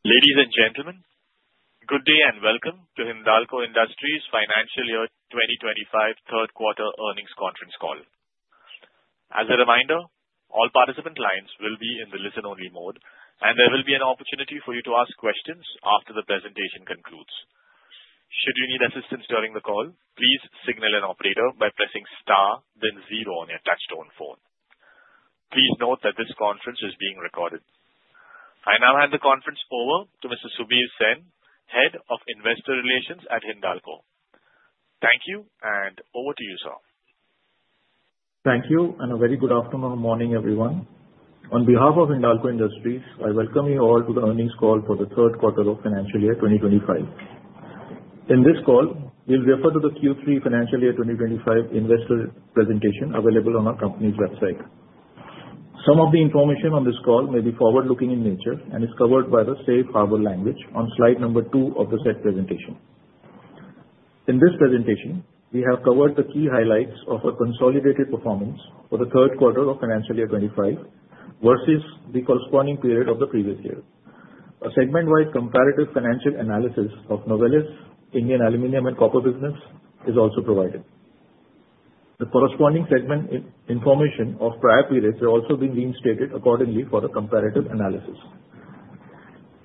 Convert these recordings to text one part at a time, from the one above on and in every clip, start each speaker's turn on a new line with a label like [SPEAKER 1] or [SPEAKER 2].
[SPEAKER 1] Ladies and gentlemen, good day and welcome to Hindalco Industries Financial Year 2025 Third Quarter Earnings Conference Call. As a reminder, all participant lines will be in the listen-only mode, and there will be an opportunity for you to ask questions after the presentation concludes. Should you need assistance during the call, please signal an operator by pressing star, then zero on your touch-tone phone. Please note that this conference is being recorded. I now hand the conference over to Mr. Subir Sen, Head of Investor Relations at Hindalco. Thank you, and over to you, sir.
[SPEAKER 2] Thank you, and a very good afternoon or morning, everyone. On behalf of Hindalco Industries, I welcome you all to the earnings call for the Third Quarter of Financial Year 2025. In this call, we'll refer to the Q3 Financial Year 2025 investor presentation available on our company's website. Some of the information on this call may be forward-looking in nature and is covered by the Safe Harbor language on slide number two of the said presentation. In this presentation, we have covered the key highlights of a consolidated performance for the Third Quarter of Financial Year 2025 versus the corresponding period of the previous year. A segment-wide comparative financial analysis of Novelis, Indian Aluminum and Copper business is also provided. The corresponding segment information of prior periods has also been reinstated accordingly for the comparative analysis.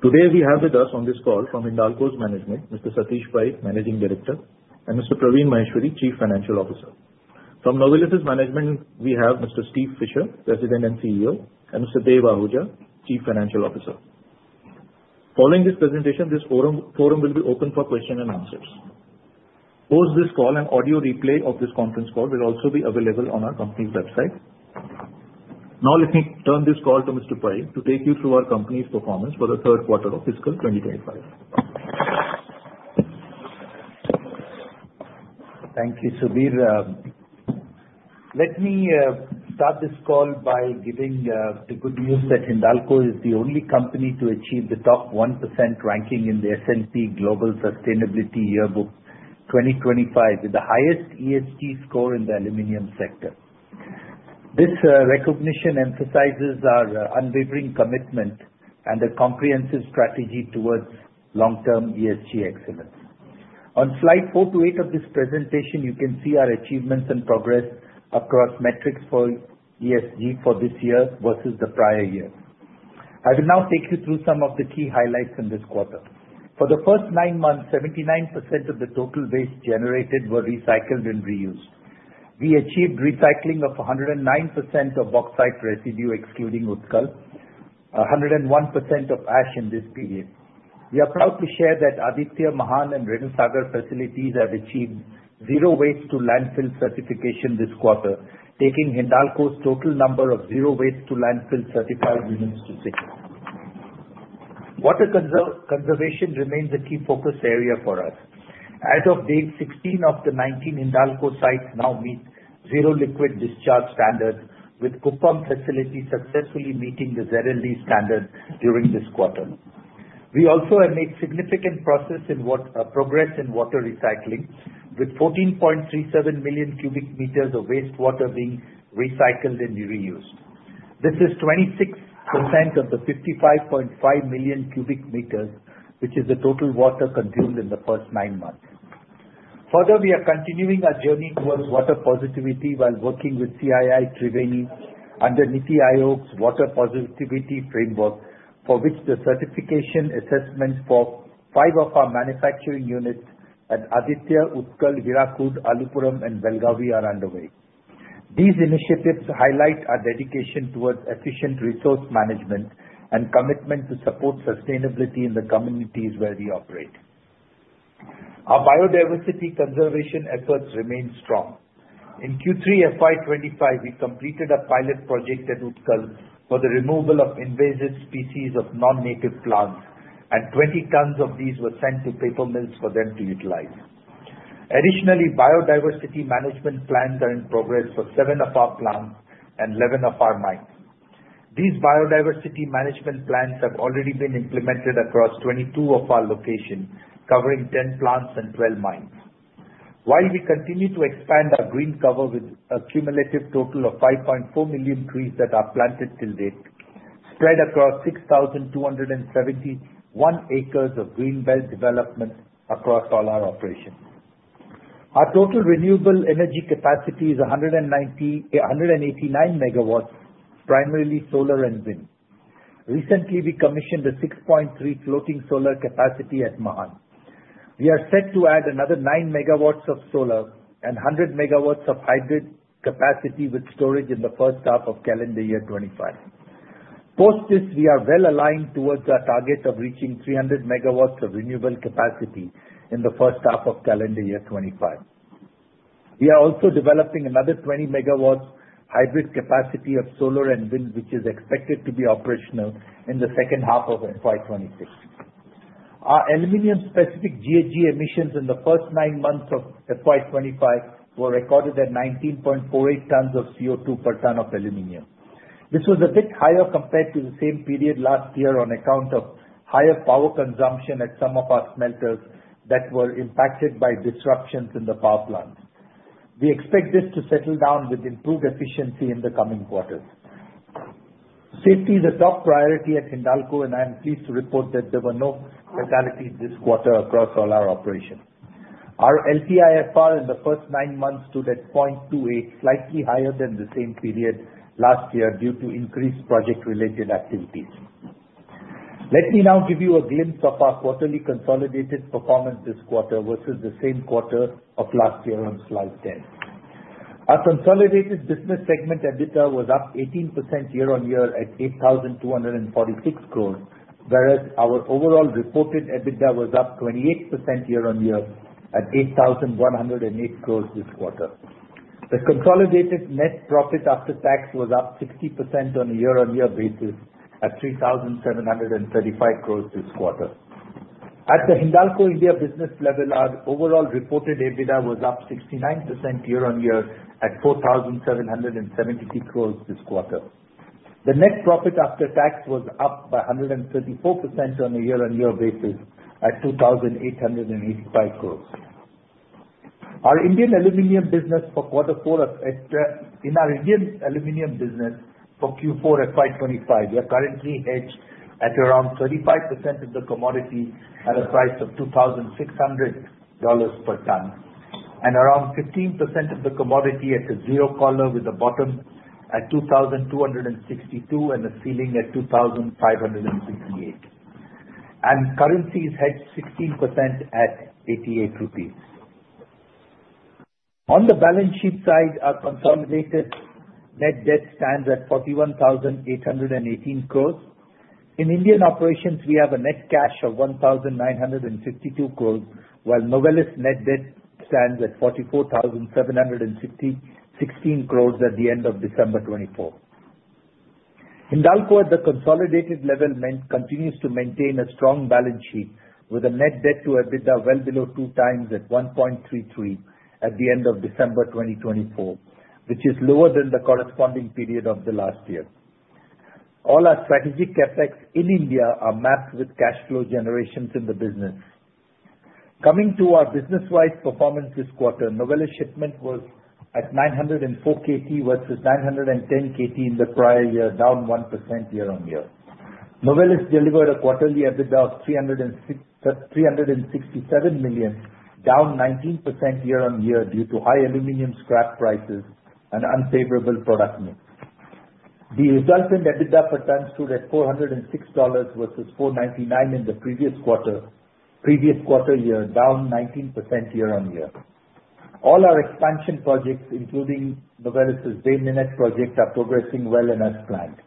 [SPEAKER 2] Today, we have with us on this call from Hindalco's management, Mr. Satish Pai, Managing Director, and Mr. Praveen Maheshwari, Chief Financial Officer. From Novelis' management, we have Mr. Steve Fisher, President and CEO, and Mr. Dev Ahuja, Chief Financial Officer. Following this presentation, this forum will be open for questions and answers. Post this call, an audio replay of this conference call will also be available on our company's website. Now, let me turn this call to Mr. Pai to take you through our company's performance for the Third Quarter of Fiscal 2025.
[SPEAKER 3] Thank you, Subir. Let me start this call by giving the good news that Hindalco is the only company to achieve the top 1% ranking in the S&P Global Sustainability Yearbook 2025, with the highest ESG score in the aluminum sector. This recognition emphasizes our unwavering commitment and a comprehensive strategy towards long-term ESG excellence. On slide four to eight of this presentation, you can see our achievements and progress across metrics for ESG for this year versus the prior year. I will now take you through some of the key highlights in this quarter. For the first nine months, 79% of the total waste generated were recycled and reused. We achieved recycling of 109% of oxide residue, excluding Utkal, 101% of ash in this period. We are proud to share that Aditya, Mahan, and Renusagar facilities have achieved zero waste-to-landfill certification this quarter, taking Hindalco's total number of zero waste-to-landfill certified units to six. Water conservation remains a key focus area for us. As of date, 16 of the 19 Hindalco sites now meet zero liquid discharge standards, with Kuppam facilities successfully meeting the ZLD standard during this quarter. We also have made significant progress in water recycling, with 14.37 million cubic meters of wastewater being recycled and reused. This is 26% of the 55.5 million cubic meters, which is the total water consumed in the first nine months. Further, we are continuing our journey towards water positivity while working with CII Triveni under NITI Aayog's Water Positivity Framework, for which the certification assessments for five of our manufacturing units at Aditya, Utkal, Hirakud, Alupuram, and Belagavi are underway. These initiatives highlight our dedication toward efficient resource management and commitment to support sustainability in the communities where we operate. Our biodiversity conservation efforts remain strong. In Q3 FY 2025, we completed a pilot project at Utkal for the removal of invasive species of non-native plants, and 20 tons of these were sent to paper mills for them to utilize. Additionally, biodiversity management plans are in progress for seven of our plants and 11 of our mines. These biodiversity management plans have already been implemented across 22 of our locations, covering 10 plants and 12 mines. While we continue to expand our green cover with a cumulative total of 5.4 million trees that are planted till date, spread across 6,271 acres of green belt development across all our operations. Our total renewable energy capacity is 189 MW, primarily solar and wind. Recently, we commissioned a 6.3 floating solar capacity at Mahan. We are set to add another 9 MW of solar and 100 MW of hybrid capacity with storage in the first half of calendar year 2025. Post this, we are well aligned towards our target of reaching 300 MW of renewable capacity in the first half of calendar year 2025. We are also developing another 20 MW hybrid capacity of solar and wind, which is expected to be operational in the second half of FY 2026. Our aluminum-specific GHG emissions in the first nine months of FY 2025 were recorded at 19.48 tons of CO2 per ton of aluminum. This was a bit higher compared to the same period last year on account of higher power consumption at some of our smelters that were impacted by disruptions in the power plants. We expect this to settle down with improved efficiency in the coming quarters. Safety is a top priority at Hindalco, and I am pleased to report that there were no fatalities this quarter across all our operations. Our LTIFR in the first nine months stood at 0.28, slightly higher than the same period last year due to increased project-related activities. Let me now give you a glimpse of our quarterly consolidated performance this quarter versus the same quarter of last year on slide 10. Our consolidated business segment EBITDA was up 18% year-on-year at 8,246 crore, whereas our overall reported EBITDA was up 28% year-on-year at 8,108 crore this quarter. The consolidated net profit after tax was up 60% on a year-on-year basis at 3,735 crore this quarter. At the Hindalco India business level, our overall reported EBITDA was up 69% year-on-year at 4,773 crore this quarter. The net profit after tax was up by 134% on a year-on-year basis at INR 2,885 crore. Our Indian aluminum business for Q4 FY 2025, we are currently hedged at around 35% of the commodity at a price of $2,600 per ton, and around 15% of the commodity at a zero collar, with a bottom at $2,262 and a ceiling at $2,568. Currencies hedged 16% at 88 rupees. On the balance sheet side, our consolidated net debt stands at 41,818 crore. In Indian operations, we have a net cash of 1,952 crore, while Novelis net debt stands at 44,760.16 crore at the end of December 2024. Hindalco, at the consolidated level, continues to maintain a strong balance sheet with a net debt-to-EBITDA well below 2x at 1.33 at the end of December 2024, which is lower than the corresponding period of the last year. All our strategic CapEx in India are mapped with cash flow generations in the business. Coming to our business-wise performance this quarter, Novelis shipment was at 904 KT versus 910 KT in the prior year, down 1% year-on-year. Novelis delivered a quarterly EBITDA of $367 million, down 19% year-on-year due to high aluminum scrap prices and unfavorable product mix. The resultant EBITDA per ton stood at $406 versus $499 in the previous quarter year, down 19% year-on-year. All our expansion projects, including Novelis' Bay Minette project, are progressing well as planned.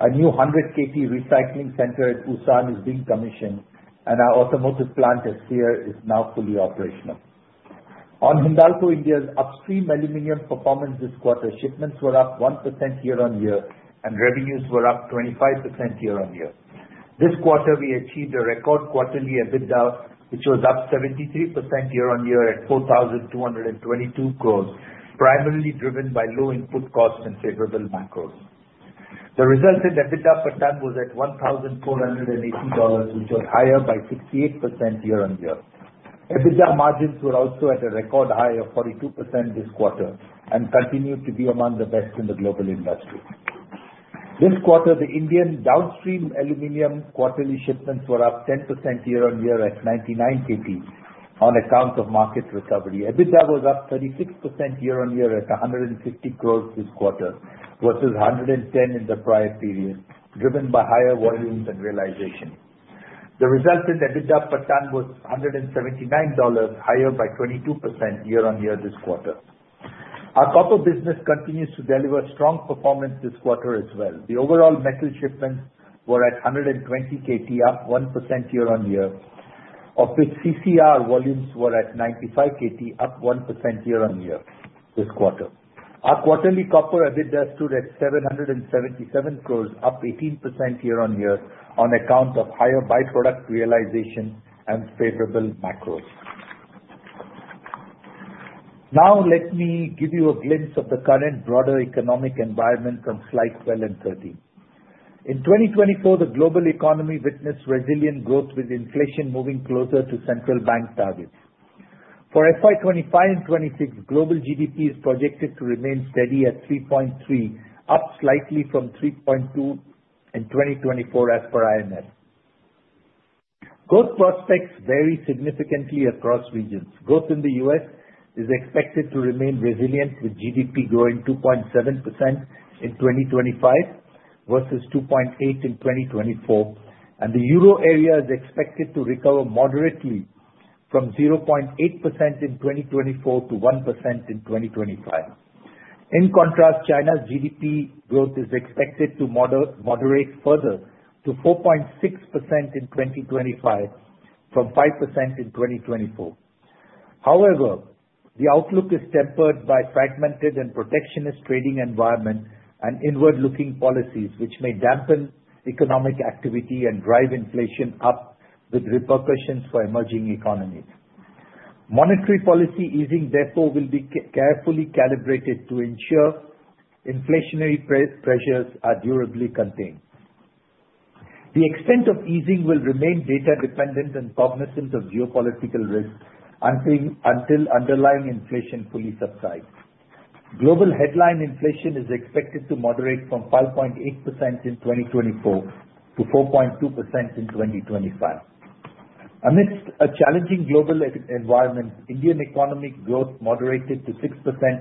[SPEAKER 3] A new 100 KT recycling center at Ulsan is being commissioned, and our automotive plant at Sierre is now fully operational. On Hindalco India's upstream aluminum performance this quarter, shipments were up 1% year-on-year, and revenues were up 25% year-on-year. This quarter, we achieved a record quarterly EBITDA, which was up 73% year-on-year at 4,222 crore, primarily driven by low input costs and favorable macros. The resultant EBITDA per ton was at $1,480, which was higher by 68% year-on-year. EBITDA margins were also at a record high of 42% this quarter and continued to be among the best in the global industry. This quarter, the Indian downstream aluminum quarterly shipments were up 10% year-on-year at 99 KT on account of market recovery. EBITDA was up 36% year-on-year at 150 crore this quarter versus 110 crore in the prior period, driven by higher volumes and realization. The resultant EBITDA per ton was $179, higher by 22% year-on-year this quarter. Our copper business continues to deliver strong performance this quarter as well. The overall metal shipments were at 120 KT, up 1% year-on-year, of which CCR volumes were at 95 KT, up 1% year-on-year this quarter. Our quarterly copper EBITDA stood at 777 crore, up 18% year-on-year on account of higher byproduct realization and favorable macros. Now, let me give you a glimpse of the current broader economic environment from slides 12 and 13. In 2024, the global economy witnessed resilient growth with inflation moving closer to central bank targets. For FY 2025 and 2026, global GDP is projected to remain steady at 3.3, up slightly from 3.2 in 2024 as per IMF. Growth prospects vary significantly across regions. Growth in the U.S. is expected to remain resilient, with GDP growing 2.7% in 2025 versus 2.8% in 2024, and the euro area is expected to recover moderately from 0.8% in 2024 to 1% in 2025. In contrast, China's GDP growth is expected to moderate further to 4.6% in 2025 from 5% in 2024. However, the outlook is tempered by fragmented and protectionist trading environment and inward-looking policies, which may dampen economic activity and drive inflation up, with repercussions for emerging economies. Monetary policy easing, therefore, will be carefully calibrated to ensure inflationary pressures are durably contained. The extent of easing will remain data-dependent and cognizant of geopolitical risks until underlying inflation fully subsides. Global headline inflation is expected to moderate from 5.8% in 2024 to 4.2% in 2025. Amidst a challenging global environment, Indian economic growth moderated to 6%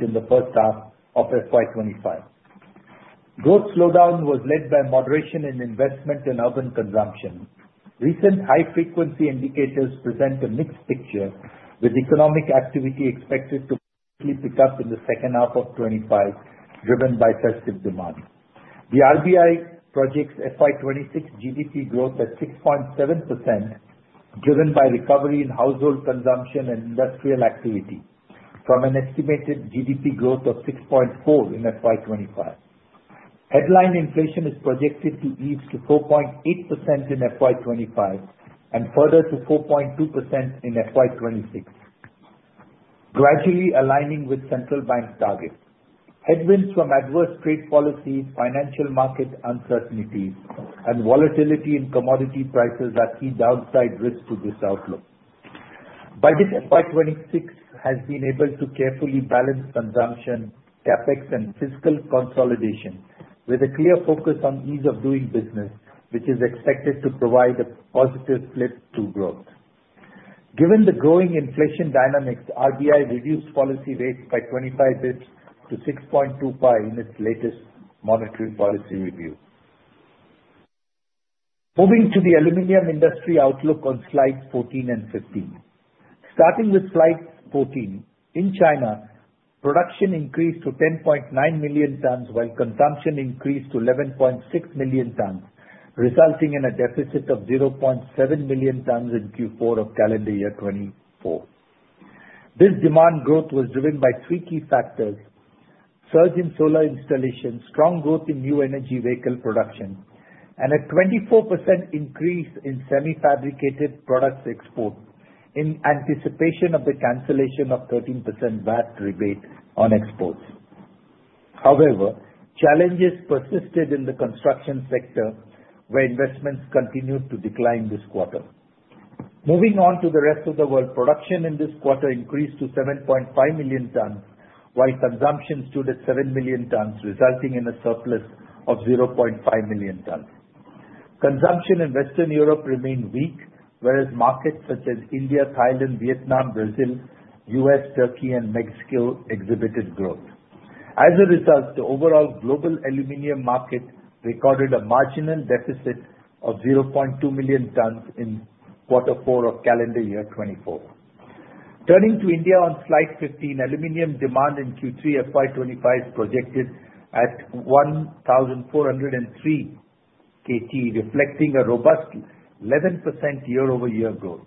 [SPEAKER 3] in the first half of FY 2025. Growth slowdown was led by moderation in investment and urban consumption. Recent high-frequency indicators present a mixed picture, with economic activity expected to quickly pick up in the second half of 2025, driven by festive demand. The RBI projects FY 2026 GDP growth at 6.7%, driven by recovery in household consumption and industrial activity, from an estimated GDP growth of 6.4% in FY 2025. Headline inflation is projected to ease to 4.8% in FY 2025 and further to 4.2% in FY 2026, gradually aligning with central bank targets. Headwinds from adverse trade policy, financial market uncertainties, and volatility in commodity prices are key downside risks to this outlook. By this FY 2026, it has been able to carefully balance consumption, CapEx, and fiscal consolidation, with a clear focus on ease of doing business, which is expected to provide a positive flip to growth. Given the growing inflation dynamics, RBI reduced policy rates by 25 basis points to 6.25% in its latest monetary policy review. Moving to the aluminum industry outlook on slides 14 and 15. Starting with slides 14, in China, production increased to 10.9 million tons, while consumption increased to 11.6 million tons, resulting in a deficit of 0.7 million tons in Q4 of calendar year 2024. This demand growth was driven by three key factors: surge in solar installation, strong growth in new energy vehicle production, and a 24% increase in semi-fabricated products export in anticipation of the cancellation of 13% VAT rebate on exports. However, challenges persisted in the construction sector, where investments continued to decline this quarter. Moving on to the rest of the world, production in this quarter increased to 7.5 million tons, while consumption stood at 7 million tons, resulting in a surplus of 0.5 million tons. Consumption in Western Europe remained weak, whereas markets such as India, Thailand, Vietnam, Brazil, U.S., Turkey, and Mexico exhibited growth. As a result, the overall global aluminum market recorded a marginal deficit of 0.2 million tons in quarter four of calendar year 2024. Turning to India on slide 15, aluminum demand in Q3 FY 2025 is projected at 1,403 KT, reflecting a robust 11% year-over-year growth.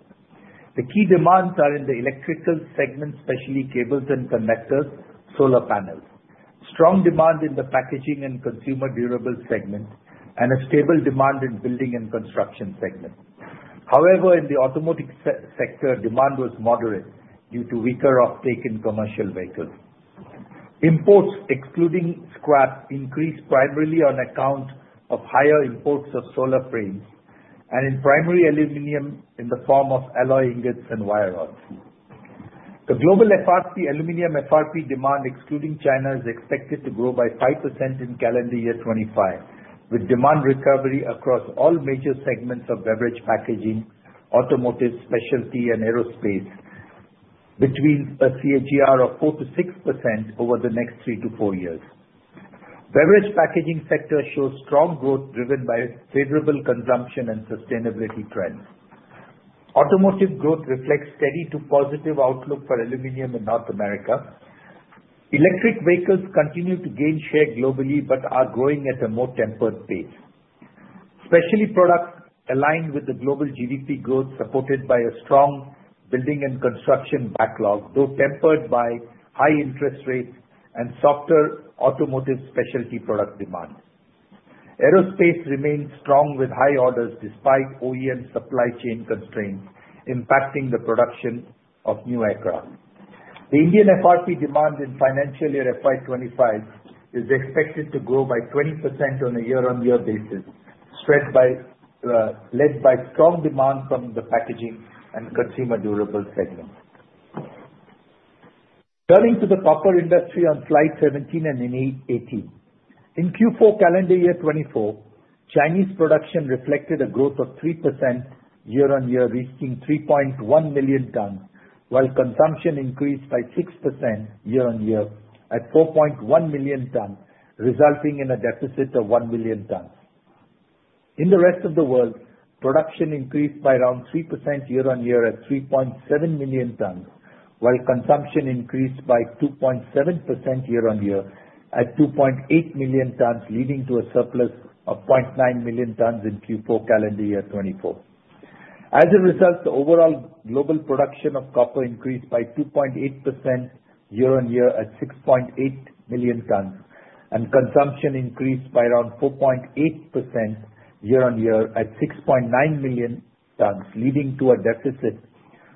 [SPEAKER 3] The key demands are in the electrical segment, especially cables and connectors, solar panels. Strong demand in the packaging and consumer durable segment, and a stable demand in building and construction segment. However, in the automotive sector, demand was moderate due to weaker offtake in commercial vehicles. Imports, excluding scrap, increased primarily on account of higher imports of solar frames and in primary aluminum in the form of alloy ingots and wire rods. The global aluminum FRP demand, excluding China, is expected to grow by 5% in calendar year 2025, with demand recovery across all major segments of beverage packaging, automotive, specialty, and aerospace between a CAGR of 4%-6% over the next three to four years. Beverage packaging sector shows strong growth driven by favorable consumption and sustainability trends. Automotive growth reflects steady to positive outlook for aluminum in North America. Electric vehicles continue to gain share globally but are growing at a more tempered pace. Specialty products align with the global GDP growth supported by a strong building and construction backlog, though tempered by high interest rates and softer automotive specialty product demand. Aerospace remains strong with high orders despite OEM supply chain constraints impacting the production of new aircraft. The Indian FRP demand in financial year FY 2025 is expected to grow by 20% on a year-on-year basis, led by strong demand from the packaging and consumer durable segment. Turning to the copper industry on slides 17 and 18. In Q4 calendar year 2024, Chinese production reflected a growth of 3% year-on-year, reaching 3.1 million tons, while consumption increased by 6% year-on-year at 4.1 million tons, resulting in a deficit of 1 million tons. In the rest of the world, production increased by around 3% year-on-year at 3.7 million tons, while consumption increased by 2.7% year-on-year at 2.8 million tons, leading to a surplus of 0.9 million tons in Q4 calendar year 2024. As a result, the overall global production of copper increased by 2.8% year-on-year at 6.8 million tons, and consumption increased by around 4.8% year-on-year at 6.9 million tons, leading to a deficit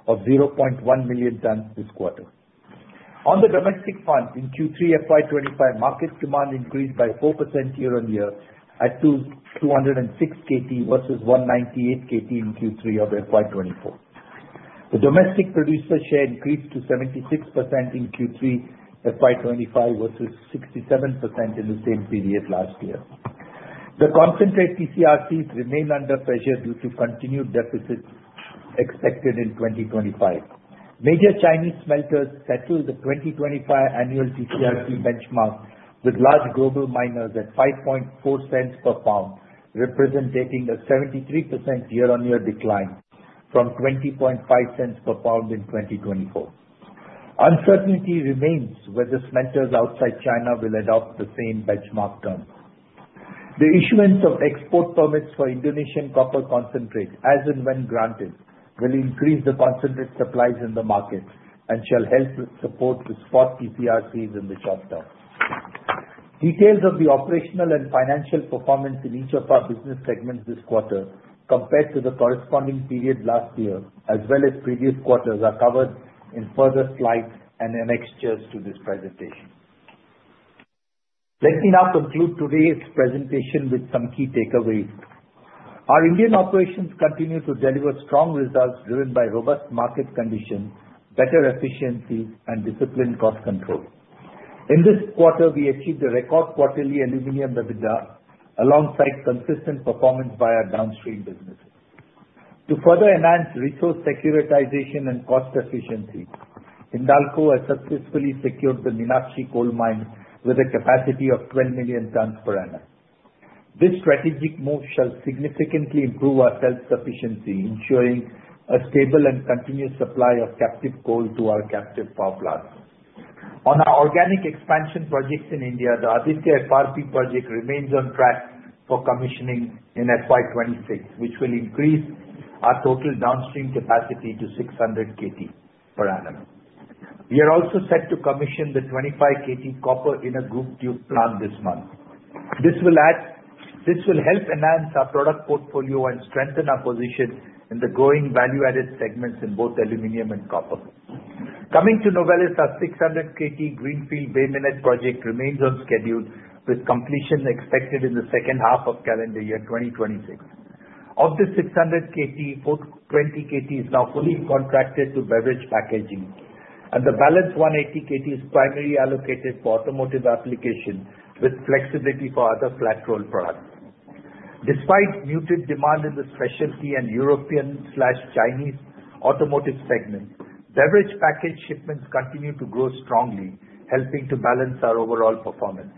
[SPEAKER 3] of 0.1 million tons this quarter. On the domestic front, in Q3 FY 2025, market demand increased by 4% year-on-year at 206 KT versus 198 KT in Q3 of FY 2024. The domestic producer share increased to 76% in Q3 FY 2025 versus 67% in the same period last year. The concentrate TC/RCs remain under pressure due to continued deficits expected in 2025. Major Chinese smelters settled the 2025 annual TC/RC benchmark with large global miners at $0.05.4 per pound, representing a 73% year-on-year decline from $0.020.5 per pound in 2024. Uncertainty remains whether smelters outside China will adopt the same benchmark terms. The issuance of export permits for Indonesian copper concentrate, as and when granted, will increase the concentrate supplies in the market and shall help support the spot TC/RCs in the short term. Details of the operational and financial performance in each of our business segments this quarter, compared to the corresponding period last year as well as previous quarters, are covered in further slides and annexures to this presentation. Let me now conclude today's presentation with some key takeaways. Our Indian operations continue to deliver strong results driven by robust market conditions, better efficiencies, and disciplined cost control. In this quarter, we achieved a record quarterly aluminum EBITDA alongside consistent performance via downstream businesses. To further enhance resource securitization and cost efficiency, Hindalco has successfully secured the Meenakshi coal mine with a capacity of 12 million tons per annum. This strategic move shall significantly improve our self-sufficiency, ensuring a stable and continuous supply of captive coal to our captive power plants. On our organic expansion projects in India, the Aditya FRP project remains on track for commissioning in FY 2026, which will increase our total downstream capacity to 600 KT per annum. We are also set to commission the 25 KT copper inner grooved tube plant this month. This will help enhance our product portfolio and strengthen our position in the growing value-added segments in both aluminum and copper. Coming to Novelis's 600 KT greenfield Bay Minette project remains on schedule, with completion expected in the second half of calendar year 2026. Of the 600 KT, 20 KT is now fully contracted to beverage packaging, and the balance 180 KT is primarily allocated for automotive application with flexibility for other flat-rolled products. Despite muted demand in the specialty and European/Chinese automotive segments, beverage package shipments continue to grow strongly, helping to balance our overall performance.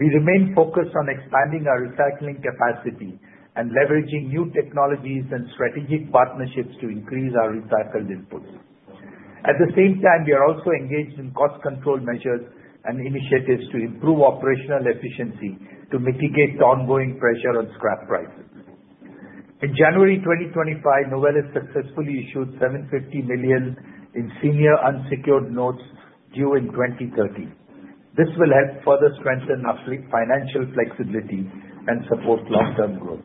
[SPEAKER 3] We remain focused on expanding our recycling capacity and leveraging new technologies and strategic partnerships to increase our recycled inputs. At the same time, we are also engaged in cost control measures and initiatives to improve operational efficiency to mitigate the ongoing pressure on scrap prices. In January 2025, Novelis successfully issued $750 million in senior unsecured notes due in 2030. This will help further strengthen our financial flexibility and support long-term growth.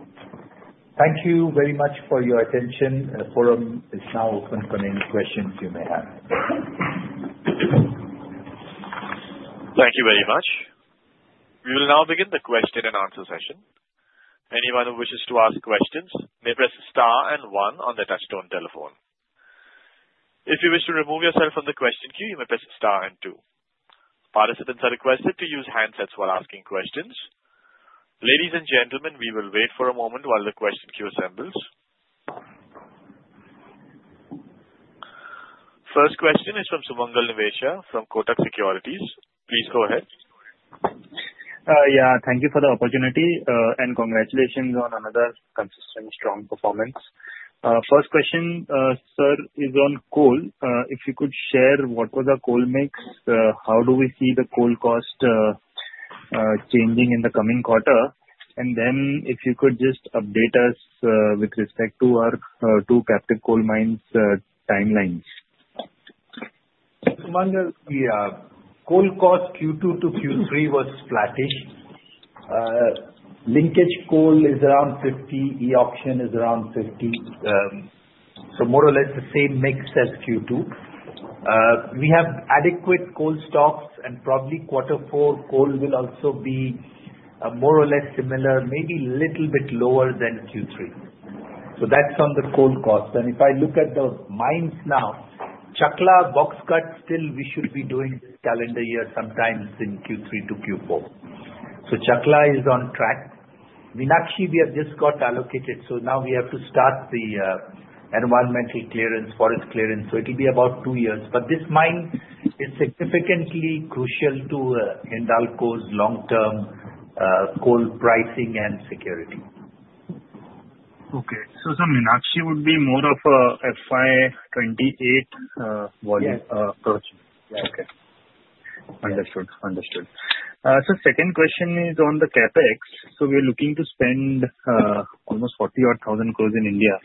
[SPEAKER 3] Thank you very much for your attention. The forum is now open for any questions you may have.
[SPEAKER 1] Thank you very much. We will now begin the question and answer session. Anyone who wishes to ask questions may press star and one on the touch-tone telephone. If you wish to remove yourself from the question queue, you may press star and two. Participants are requested to use handsets while asking questions. Ladies and gentlemen, we will wait for a moment while the question queue assembles. First question is from Sumangal Nevatia from Kotak Securities. Please go ahead.
[SPEAKER 4] Yeah, thank you for the opportunity and congratulations on another consistent strong performance. First question, sir, is on coal. If you could share what was our coal mix, how do we see the coal cost changing in the coming quarter? And then if you could just update us with respect to our two captive coal mines timelines.
[SPEAKER 3] Sumangal, yeah, coal cost Q2 to Q3 was flattish. Linkage coal is around 50, e-auction is around 50, so more or less the same mix as Q2. We have adequate coal stocks, and probably quarter four coal will also be more or less similar, maybe a little bit lower than Q3. So that's on the coal cost. And if I look at the mines now, Chakla box cut still we should be doing this calendar year sometime in Q3 to Q4. So Chakla is on track. Meenakshi, we have just got allocated, so now we have to start the environmental clearance, forest clearance. So it'll be about two years. But this mine is significantly crucial to Hindalco's long-term coal pricing and security.
[SPEAKER 4] Okay. So Meenakshi would be more of a FY 2028 approach?
[SPEAKER 3] Yeah.
[SPEAKER 4] Okay. Understood. Understood. So second question is on the CapEx. So we're looking to spend almost 40,000 crore in India.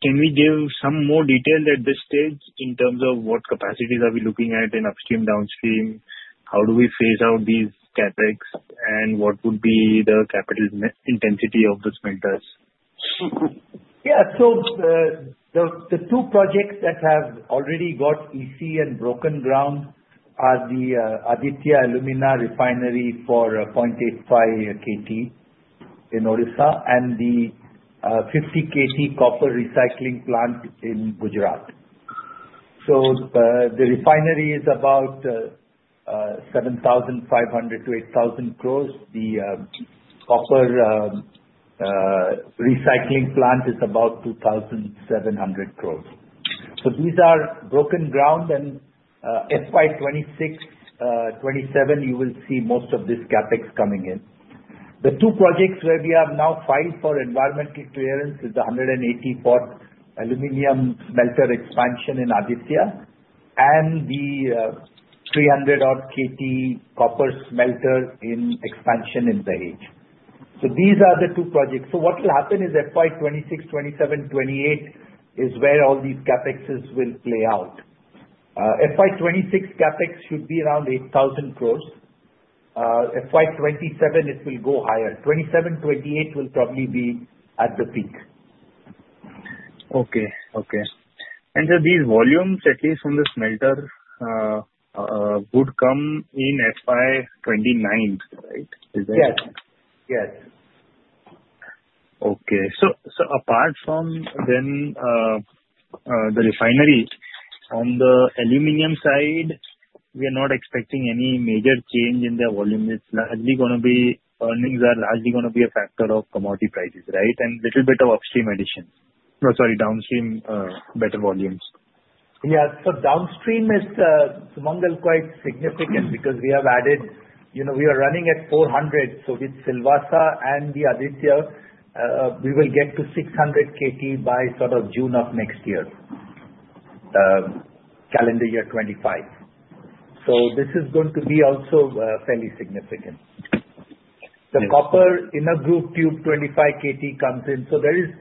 [SPEAKER 4] Can we give some more detail at this stage in terms of what capacities are we looking at in upstream, downstream? How do we phase out these CapEx, and what would be the capital intensity of the smelters?
[SPEAKER 3] Yeah. So the two projects that have already got EC and broken ground are the Aditya Alumina Refinery for 0.85 KT in Odisha and the 50 KT copper recycling plant in Gujarat. So the refinery is about 7,500-8,000 crore. The copper recycling plant is about 2,700 crore. So these are broken ground, and FY 2026-FY 2027, you will see most of this CapEx coming in. The two projects where we have now filed for environmental clearance is the 184 KT aluminum smelter expansion in Aditya and the 300-odd KT copper smelter expansion in Dahej. So these are the two projects. So what will happen is FY 2026, FY 2027, FY 2028 is where all these CapExes will play out. FY 2026 CapEx should be around 8,000 crore. FY 2027, it will go higher. FY 2027, FY 2028 will probably be at the peak.
[SPEAKER 4] Okay. Okay. And so these volumes, at least from the smelter, would come in FY 2029, right? Is that? Yes.
[SPEAKER 3] Yes.
[SPEAKER 4] Okay. So apart from then the refinery, on the aluminum side, we are not expecting any major change in their volume. It's largely going to be earnings are largely going to be a factor of commodity prices, right, and a little bit of upstream addition. No, sorry, downstream better volumes.
[SPEAKER 3] Yeah. So downstream is quite substantial because we have added we are running at 400 KT. So with Silvassa and the Aditya, we will get to 600 KT by sort of June of next year, calendar year 2025. So this is going to be also fairly significant. The copper inner grooved tube 25 KT comes in. So there is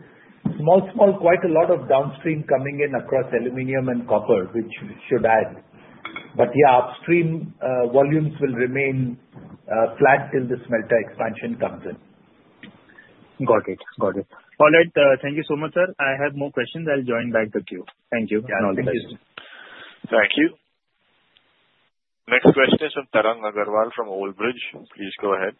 [SPEAKER 3] small, small, quite a lot of downstream coming in across aluminum and copper, which should add. But yeah, upstream volumes will remain flat till the smelter expansion comes in.
[SPEAKER 4] Got it. Got it. All right. Thank you so much, sir. I have more questions. I'll join back the queue. Thank you. And all the best.
[SPEAKER 1] Thank you. Next question is from Tarang Agrawal from Old Bridge. Please go ahead.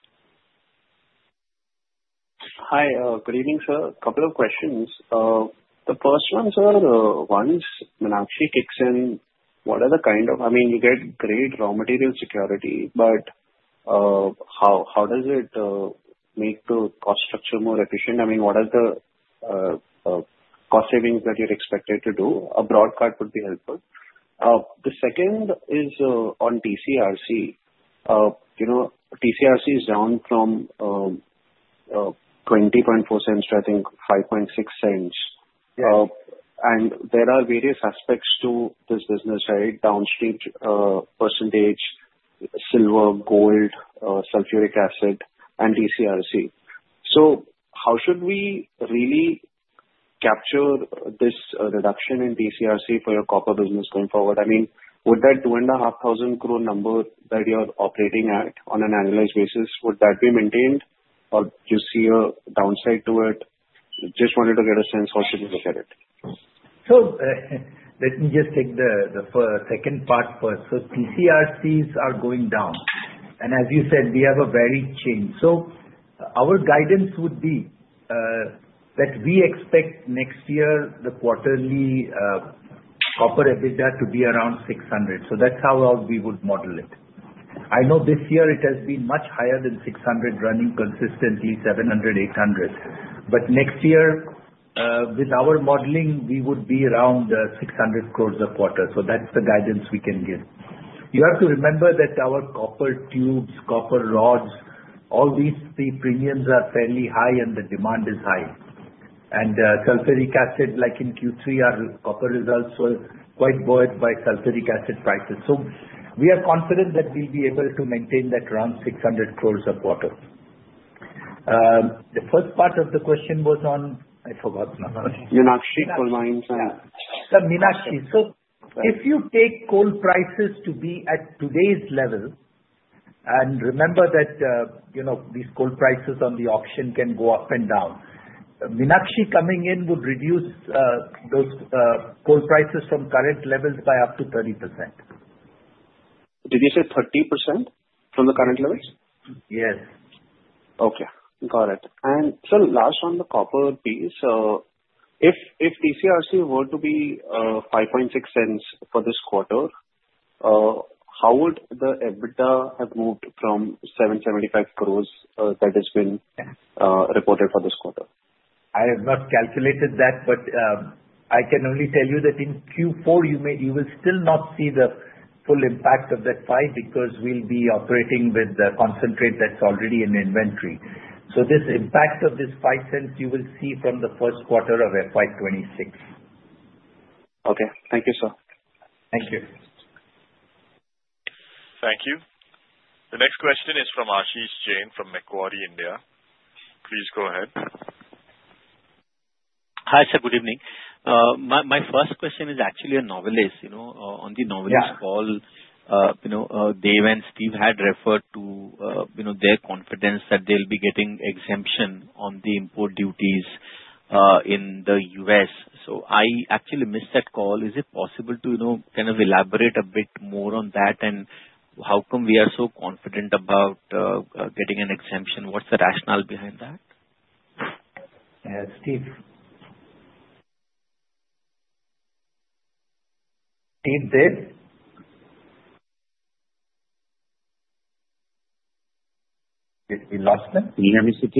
[SPEAKER 5] Hi. Good evening, sir. A couple of questions. The first one, sir, once Meenakshi kicks in, what are the kind of? I mean, you get great raw material security, but how does it make the cost structure more efficient? I mean, what are the cost savings that you're expected to do? A broad card would be helpful. The second is on TC/RC. TC/RC is down from $0.204 to, I think, $0.056. There are various aspects to this business, right? Downstream percentage, silver, gold, sulfuric acid, and TC/RC. How should we really capture this reduction in TC/RC for your copper business going forward? I mean, would that 2,500 crore number that you're operating at on an annualized basis, would that be maintained, or do you see a downside to it? Just wanted to get a sense how should we look at it.
[SPEAKER 3] Let me just take the second part first. TC/RCs are going down. And as you said, we have a varied change. Our guidance would be that we expect next year the quarterly copper EBITDA to be around 600 crore. That's how we would model it. I know this year it has been much higher than 600 running consistently, 700 crore, 800 crore. But next year, with our modeling, we would be around 600 crore a quarter. That's the guidance we can give. You have to remember that our copper tubes, copper rods, all these premiums are fairly high, and the demand is high. And sulfuric acid, like in Q3, our copper results were quite buoyed by sulfuric acid prices. We are confident that we'll be able to maintain that around 600 crore a quarter. The first part of the question was on. I forgot now.
[SPEAKER 5] Meenakshi coal mines
[SPEAKER 3] and Meenakshi. If you take coal prices to be at today's level, and remember that these coal prices on the auction can go up and down, Meenakshi coming in would reduce those coal prices from current levels by up to 30%.
[SPEAKER 5] Did you say 30% from the current levels?
[SPEAKER 3] Yes.
[SPEAKER 5] Okay. Got it. And so last on the copper piece, if TC/RC were to be $0.056 for this quarter, how would the EBITDA have moved from 775 crore that has been reported for this quarter?
[SPEAKER 3] I have not calculated that, but I can only tell you that in Q4, you will still not see the full impact of that TC/RC because we'll be operating with the concentrate that's already in inventory. So this impact of this $0.05 you will see from the first quarter of FY 2026.
[SPEAKER 5] Okay. Thank you, sir. Thank you.
[SPEAKER 1] Thank you. The next question is from Ashish Jain from Macquarie. Please go ahead.
[SPEAKER 6] Hi, sir. Good evening. My first question is actually on Novelis. On the Novelis call, Dev and Steve had referred to their confidence that they'll be getting exemption on the import duties in the U.S. So I actually missed that call. Is it possible to kind of elaborate a bit more on that, and how come we are so confident about getting an exemption? What's the rationale behind that?
[SPEAKER 3] Steve. Steve? Dave? Did we lose him? Can you hear me, Steve?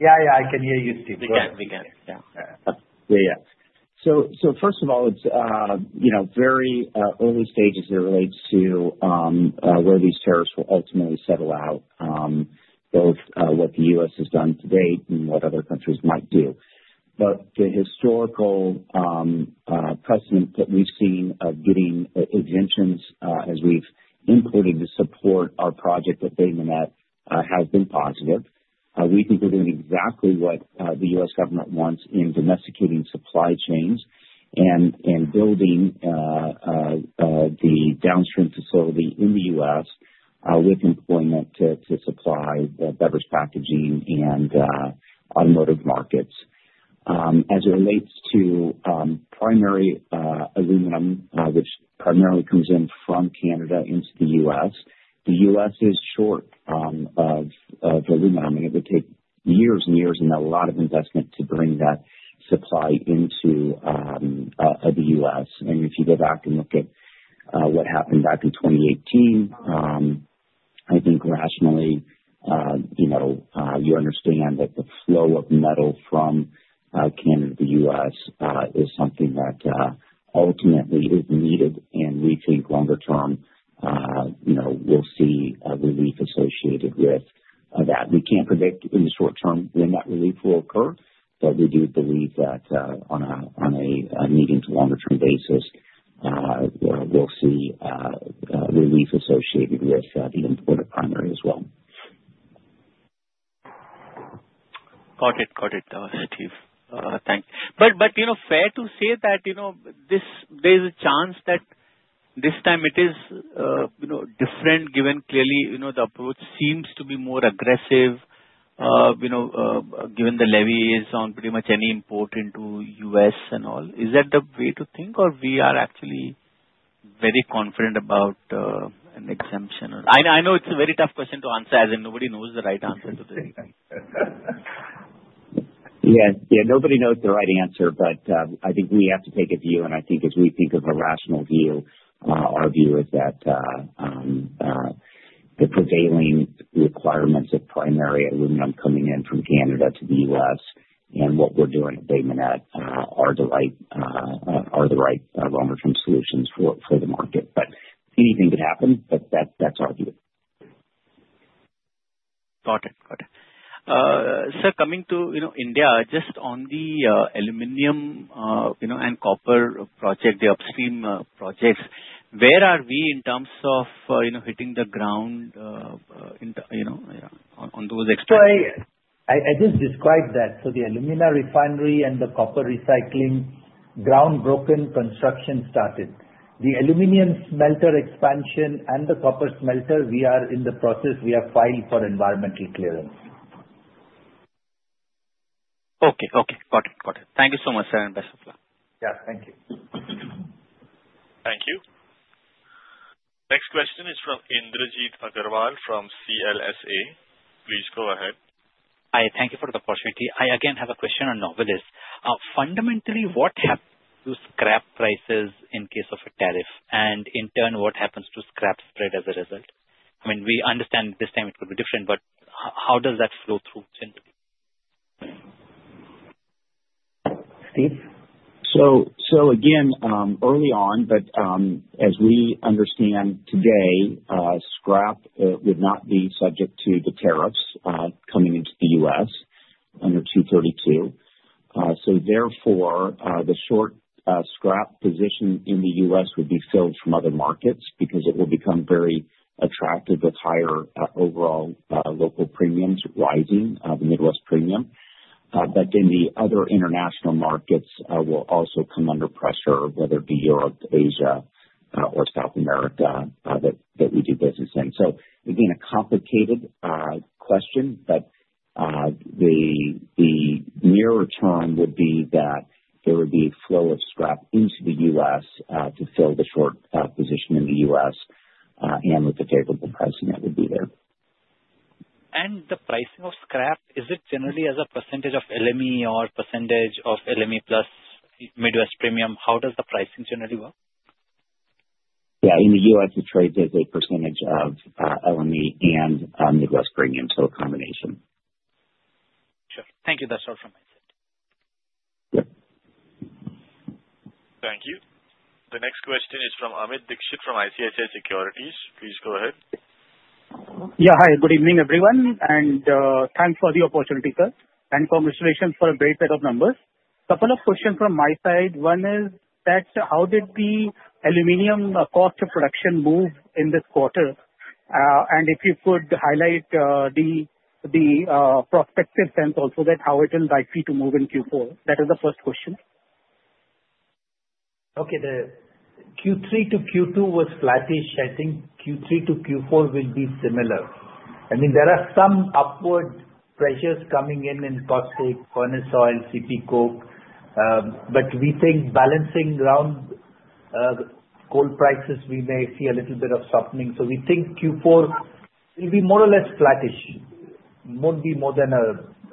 [SPEAKER 7] Yeah, yeah. I can hear you, Steve. We can. We can. Yeah. Yeah, yeah. So first of all, it's very early stages as it relates to where these tariffs will ultimately settle out, both what the U.S. has done to date and what other countries might do. But the historical precedent that we've seen of getting exemptions as we've imported to support our project at Bay Minette has been positive. We think we're doing exactly what the U.S. government wants in domesticating supply chains and building the downstream facility in the U.S. with employment to supply the beverage packaging and automotive markets. As it relates to primary aluminum, which primarily comes in from Canada into the U.S., the U.S. is short of aluminum. It would take years and years and a lot of investment to bring that supply into the U.S. If you go back and look at what happened back in 2018, I think rationally you understand that the flow of metal from Canada to the U.S. is something that ultimately is needed. We think longer term we'll see a relief associated with that. We can't predict in the short term when that relief will occur, but we do believe that on a medium to longer term basis, we'll see relief associated with the import of primary as well.
[SPEAKER 6] Got it. Got it, Steve. Thanks. But fair to say that there is a chance that this time it is different, given clearly the approach seems to be more aggressive, given the levies on pretty much any import into the U.S. and all. Is that the way to think, or are we actually very confident about an exemption? I know it's a very tough question to answer, as in nobody knows the right answer to this.
[SPEAKER 7] Yeah. Yeah. Nobody knows the right answer, but I think we have to take a view. And I think as we think of a rational view, our view is that the prevailing requirements of primary aluminum coming in from Canada to the U.S. and what we're doing at Bay Minette are the right longer term solutions for the market. But anything could happen, but that's our view.
[SPEAKER 6] Got it. Got it. Sir, coming to India, just on the aluminum and copper project, the upstream projects, where are we in terms of hitting the ground on those extremes?
[SPEAKER 3] So I just described that. So the aluminum refinery and the copper recycling ground broken construction started. The aluminum smelter expansion and the copper smelter, we are in the process. We have filed for environmental clearance.
[SPEAKER 6] Okay. Okay. Got it. Got it. Thank you so much, sir, and best of luck. Yeah. Thank you.
[SPEAKER 1] Thank you. Next question is from Indrajit Agarwal from CLSA. Please go ahead.
[SPEAKER 8] Hi. Thank you for the opportunity. I again have a question on Novelis. Fundamentally, what happens to scrap prices in case of a tariff? And in turn, what happens to scrap spread as a result? I mean, we understand at this time it could be different, but how does that flow through? Steve?
[SPEAKER 7] So again, early on, but as we understand today, scrap would not be subject to the tariffs coming into the U.S. under section 232. So therefore, the short scrap position in the U.S. would be filled from other markets because it will become very attractive with higher overall local premiums rising, the Midwest premium. But then the other international markets will also come under pressure, whether it be Europe, Asia, or South America that we do business in. So again, a complicated question, but the nearer term would be that there would be a flow of scrap into the U.S. to fill the short position in the U.S., and with the favorable pricing that would be there.
[SPEAKER 8] And the pricing of scrap, is it generally as a percentage of LME or percentage of LME plus Midwest premium? How does the pricing generally work?
[SPEAKER 7] Yeah. In the U.S., the trade is a percentage of LME and Midwest premium, so a combination.
[SPEAKER 8] Sure. Thank you. That's all from my side.
[SPEAKER 7] Yep.
[SPEAKER 1] Thank you. The next question is from Amit Dixit from ICICI Securities. Please go ahead.
[SPEAKER 9] Yeah. Hi. Good evening, everyone. And thanks for the opportunity, sir. And congratulations for a great set of numbers. Couple of questions from my side. One is that how did the aluminum cost of production move in this quarter? And if you could highlight the prospective sense also that how it will likely to move in Q4. That is the first question.
[SPEAKER 3] Okay. The Q3 to Q2 was flattish. I think Q3 to Q4 will be similar. I mean, there are some upward pressures coming in in cost, say, caustic soda, CP Coke. But we think balancing around coal prices, we may see a little bit of softening. So, we think Q4 will be more or less flattish. It won't be more than 1%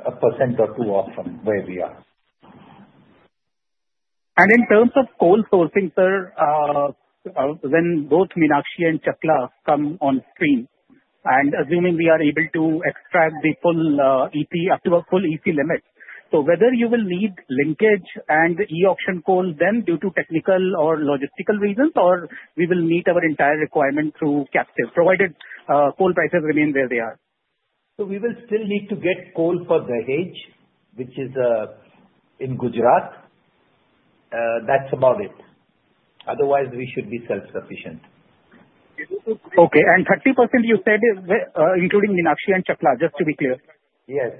[SPEAKER 3] or 2% off from where we are.
[SPEAKER 9] And in terms of coal sourcing, sir, when both Meenakshi and Chakla come on stream, and assuming we are able to extract the full EP up to a full EP limit, so whether you will need linkage and the e-auction coal then due to technical or logistical reasons, or we will meet our entire requirement through captive provided coal prices remain where they are.
[SPEAKER 3] So we will still need to get coal for the hedge, which is in Gujarat. That's about it. Otherwise, we should be self-sufficient.
[SPEAKER 9] Okay. And 30% you said including Meenakshi and Chakla, just to be clear.
[SPEAKER 3] Yes.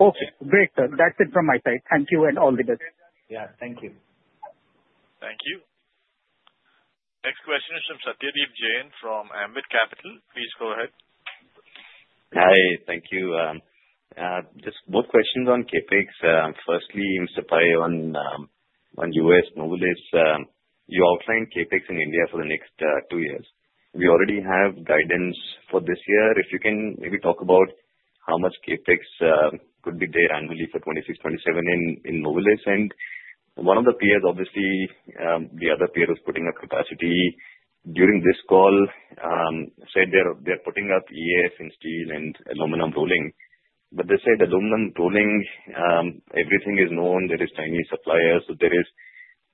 [SPEAKER 9] Okay. Great, sir. That's it from my side. Thank you and all the best.
[SPEAKER 3] Yeah. Thank you.
[SPEAKER 1] Thank you. Next question is from Satyadeep Jain from Ambit Capital. Please go ahead.
[SPEAKER 10] Hi. Thank you. Just both questions on CapEx. Firstly, Mr. Pai, on U.S. Novelis, you outlined CapEx in India for the next two years. We already have guidance for this year. If you can maybe talk about how much CapEx could be there annually for 2026, 2027 in Novelis. And one of the peers, obviously, the other peer who's putting up capacity during this call said they're putting up EF in steel and aluminum rolling. But they said aluminum rolling, everything is known. There are many suppliers. So there is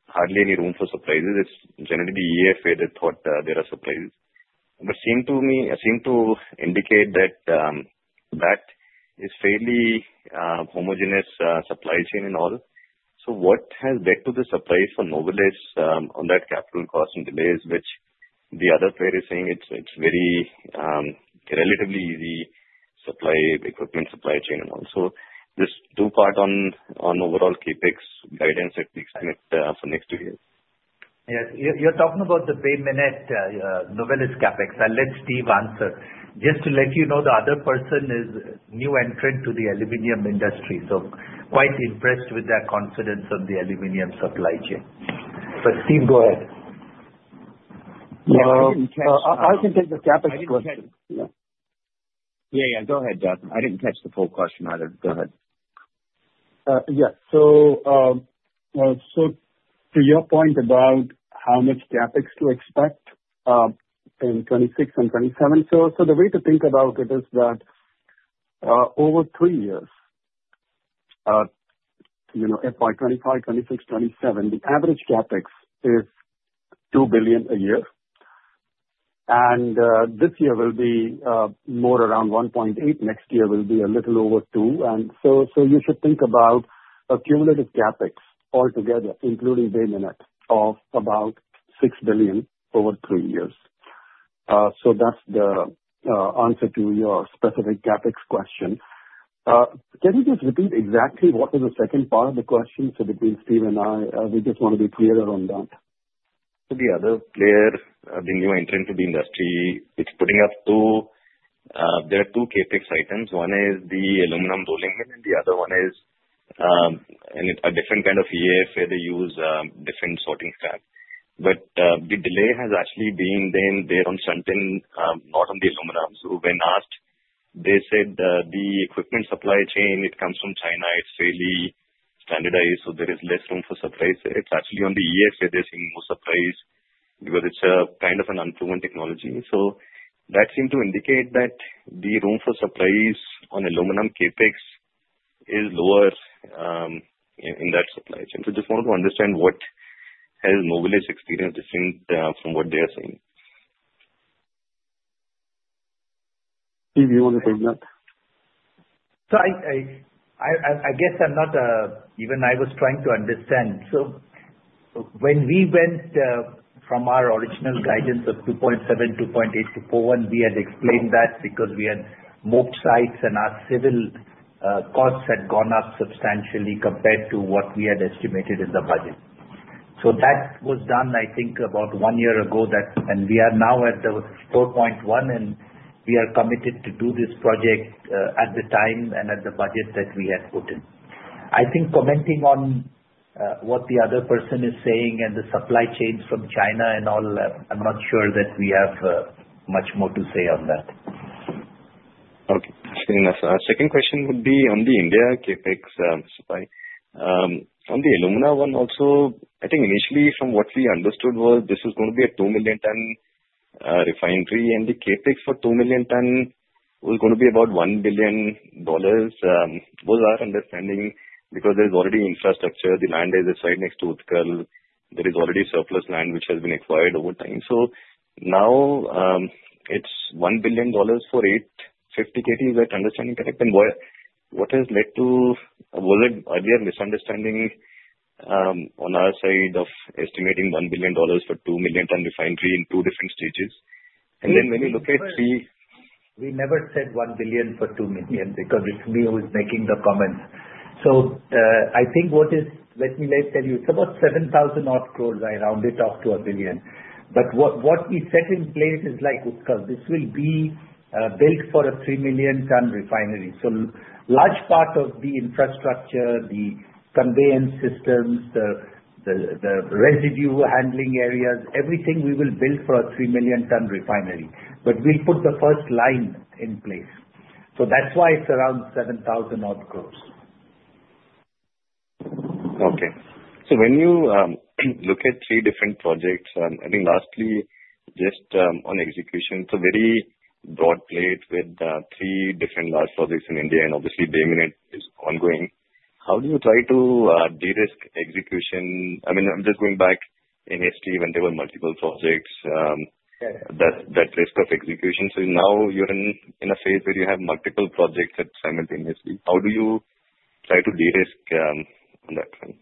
[SPEAKER 10] hardly any room for surprises. It's generally the EF where they thought there are surprises. But seems to me seems to indicate that that is fairly homogeneous supply chain and all. So what has led to the surprise for Novelis on that capital cost and delays, which the other player is saying it's very relatively easy supply equipment supply chain and all. So this two-part on overall CapEx guidance at least for next two years.
[SPEAKER 3] Yes. You're talking about the Bay Minette Novelis CapEx. I'll let Steve answer. Just to let you know, the other person is new entrant to the aluminum industry. So quite impressed with that confidence of the aluminum supply chain. But Steve, go ahead.
[SPEAKER 7] Yeah. I didn't catch the question.
[SPEAKER 11] I can take the CapEx question.
[SPEAKER 7] Yeah. Yeah. Go ahead, Dev. I didn't catch the full question either. Go ahead.
[SPEAKER 11] Yes. To your point about how much CapEx to expect in 2026 and 2027, the way to think about it is that over three years, FY 2025, 2026, 2027, the average CapEx is $2 billion a year. This year will be more around $1.8 billion. Next year will be a little over $2 billion. You should think about a cumulative CapEx altogether, including Bay Minette, of about $6 billion over three years. That's the answer to your specific CapEx question. Can you just repeat exactly what was the second part of the question? Between Steve and I, we just want to be clearer on that.
[SPEAKER 10] The other player, the new entrant to the industry, it's putting up two there are two CapEx items. One is the aluminum rolling, and then the other one is a different kind of EF where they use different sorting scrap. But the delay has actually been then there on something not on the aluminum. So when asked, they said the equipment supply chain, it comes from China. It's fairly standardized. So there is less room for surprise. It's actually on the EF where they're seeing more surprise because it's kind of an unproven technology. So that seemed to indicate that the room for surprise on aluminum CapEx is lower in that supply chain. So just wanted to understand what has Novelis experience different from what they are saying.
[SPEAKER 11] Steve, you want to take that?
[SPEAKER 3] So I guess I'm not even. I was trying to understand. So when we went from our original guidance of 2.7, 2.8 to 4.1, we had explained that because we had moved sites and our civil costs had gone up substantially compared to what we had estimated in the budget. That was done, I think, about one year ago. We are now at the 4.1, and we are committed to do this project at the time and at the budget that we had put in. I think commenting on what the other person is saying and the supply chains from China and all, I'm not sure that we have much more to say on that.
[SPEAKER 10] Okay. That's good enough. Second question would be on the India CapEx spend. On the aluminum one also, I think initially from what we understood was this is going to be a 2 million ton refinery, and the CapEx for 2 million ton was going to be about $1 billion. It was our understanding because there's already infrastructure. The land is right next to Utkal. There is already surplus land which has been acquired over time. So now it's $1 billion for 850 KT, is that understanding correct? And what has led to was it earlier misunderstanding on our side of estimating $1 billion for 2 million ton refinery in two different stages? And then when you look at the.
[SPEAKER 3] We never said $1 billion for 2 million because it's me who is making the comments. So I think what is let me tell you. It's about 7,000-odd crores. I round it off to a billion. But what we set in place is like Utkal. This will be built for a 3 million ton refinery. So large part of the infrastructure, the conveyance systems, the residue handling areas, everything we will build for a 3 million ton refinery. But we'll put the first line in place. So that's why it's around 7,000-odd crores.
[SPEAKER 10] Okay. So when you look at three different projects, I think lastly, just on execution, it's a very broad plate with three different large projects in India, and obviously, Bay Minette is ongoing. How do you try to de-risk execution? I mean, I'm just going back in history, when there were multiple projects, that risk of execution. So now you're in a phase where you have multiple projects happening simultaneously. How do you try to de-risk on that front?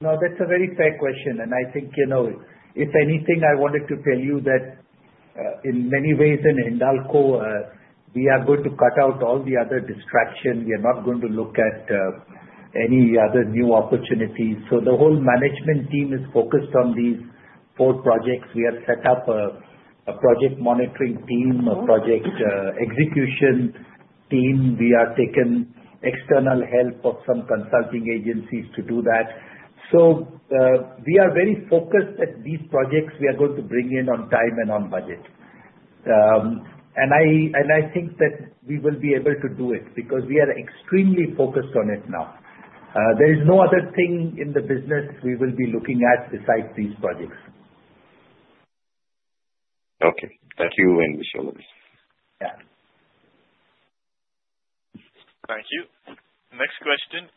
[SPEAKER 3] No, that's a very fair question. And I think if anything, I wanted to tell you that in many ways in Hindalco, we are going to cut out all the other distractions. We are not going to look at any other new opportunities. So the whole management team is focused on these four projects. We have set up a project monitoring team, a project execution team. We are taking external help of some consulting agencies to do that. So we are very focused that these projects we are going to bring in on time and on budget. And I think that we will be able to do it because we are extremely focused on it now. There is no other thing in the business we will be looking at besides these projects.
[SPEAKER 10] Okay. Thank you, Industry Analyst.
[SPEAKER 3] Yeah.
[SPEAKER 1] Thank you. Next question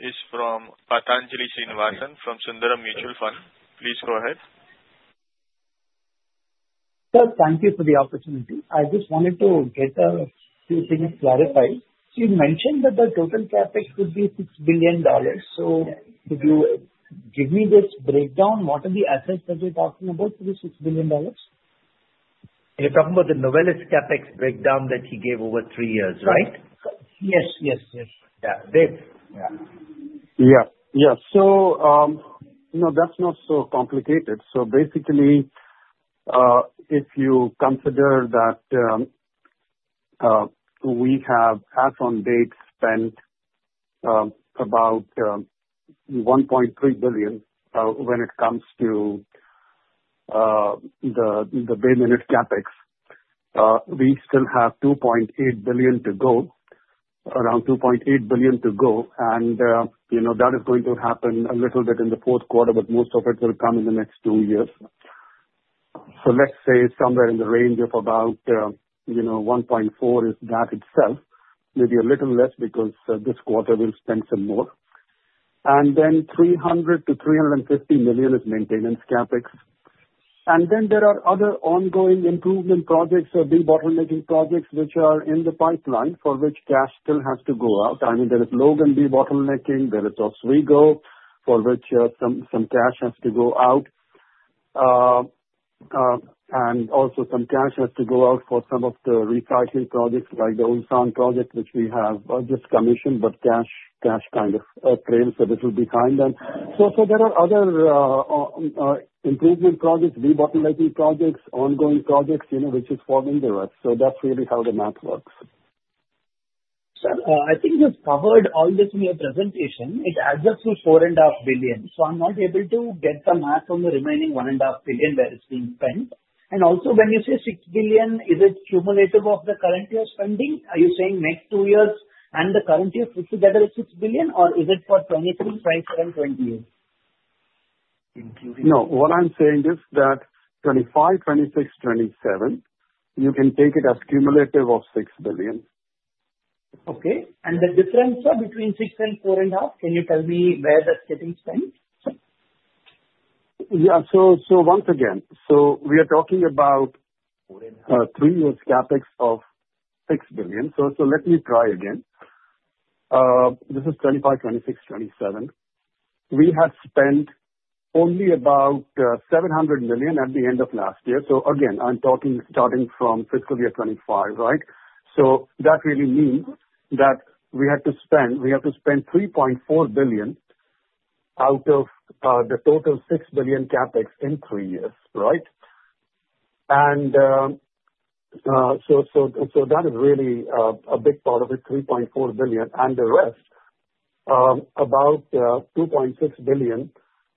[SPEAKER 1] is from Patanjali Srinivasan from Sundaram Mutual Fund. Please go ahead.
[SPEAKER 12] Sir, thank you for the opportunity. I just wanted to get a few things clarified. You mentioned that the total CapEx would be $6 billion. So could you give me this breakdown? What are the assets that you're talking about for the $6 billion?
[SPEAKER 3] You're talking about the Novelis CapEx breakdown that he gave over three years, right?
[SPEAKER 12] Yes. Yes. Yes.
[SPEAKER 11] So no, that's not so complicated. So basically, if you consider that we have as on date spent about $1.3 billion when it comes to the Bay Minette CapEx, we still have $2.8 billion to go, around $2.8 billion to go. And that is going to happen a little bit in the fourth quarter, but most of it will come in the next two years. So let's say somewhere in the range of about $1.4 billion is that itself. Maybe a little less because this quarter we'll spend some more. And then $300 million-$350 million is maintenance CapEx. And then there are other ongoing improvement projects or bottlenecking projects which are in the pipeline for which cash still has to go out. I mean, there is Logan bottlenecking. There is Oswego, for which some cash has to go out. And also some cash has to go out for some of the recycling projects like the Ulsan project, which we have just commissioned, but cash kind of trails a little behind them. So there are other improvement projects, bottlenecking projects, ongoing projects, which is following the rest. So that's really how the math works.
[SPEAKER 12] Sir, I think we've covered all this in your presentation. It adds up to $4.5 billion. So I'm not able to get the math on the remaining $1.5 billion that is being spent. And also when you say $6 billion, is it cumulative of the current year spending? Are you saying next two years and the current year put together is $6 billion, or is it for 2023, 2024, and 2028?
[SPEAKER 11] No. What I'm saying is that 2025, 2026, 2027, you can take it as cumulative of $6 billion.
[SPEAKER 12] Okay. The difference between $6 billion and $4.5 billion, can you tell me where that's getting spent?
[SPEAKER 11] Yeah. Once again, we are talking about three years CapEx of $6 billion. Let me try again. This is 2025, 2026, 2027. We have spent only about $700 million at the end of last year. Again, I'm talking starting from fiscal year 2025, right? That really means that we have to spend $3.4 billion out of the total $6 billion CapEx in three years, right? That is really a big part of it, $3.4 billion. The rest, about $2.6 billion,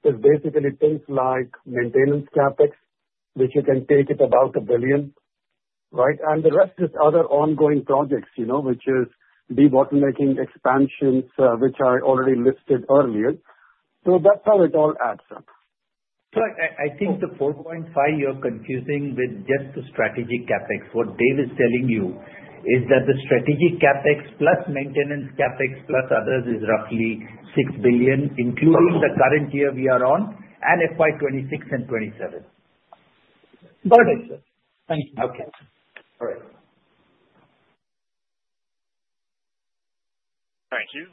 [SPEAKER 11] is basically things like maintenance CapEx, which you can take it about $1 billion, right? The rest is other ongoing projects, which is bottlenecking expansions, which I already listed earlier. That's how it all adds up.
[SPEAKER 3] So I think the $4.5 billion you're confusing with just the strategic CapEx. What Dev is telling you is that the strategic CapEx plus maintenance CapEx plus others is roughly $6 billion, including the current year we are on and FY 2026 and FY 2027.
[SPEAKER 12] Got it, sir. Thank you. Okay.
[SPEAKER 11] All right.
[SPEAKER 1] Thank you.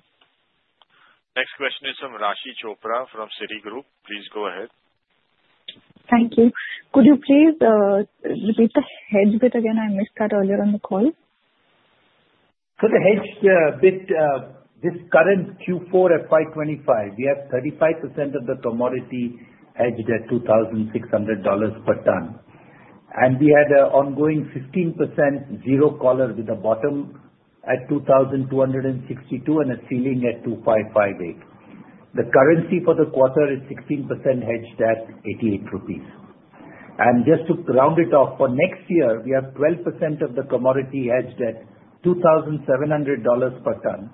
[SPEAKER 1] Next question is from Rashi Chopra from Citigroup. Please go ahead.
[SPEAKER 13] Thank you. Could you please repeat the hedge bit again? I missed that earlier on the call.
[SPEAKER 3] So the hedge bit, this current Q4 FY 2025, we have 35% of the commodity hedged at $2,600 per ton. And we had an ongoing 15% zero-collar with a bottom at $2,262 and a ceiling at $2,558. The currency for the quarter is 16% hedged at 88 rupees. And just to round it off, for next year, we have 12% of the commodity hedged at $2,700 per ton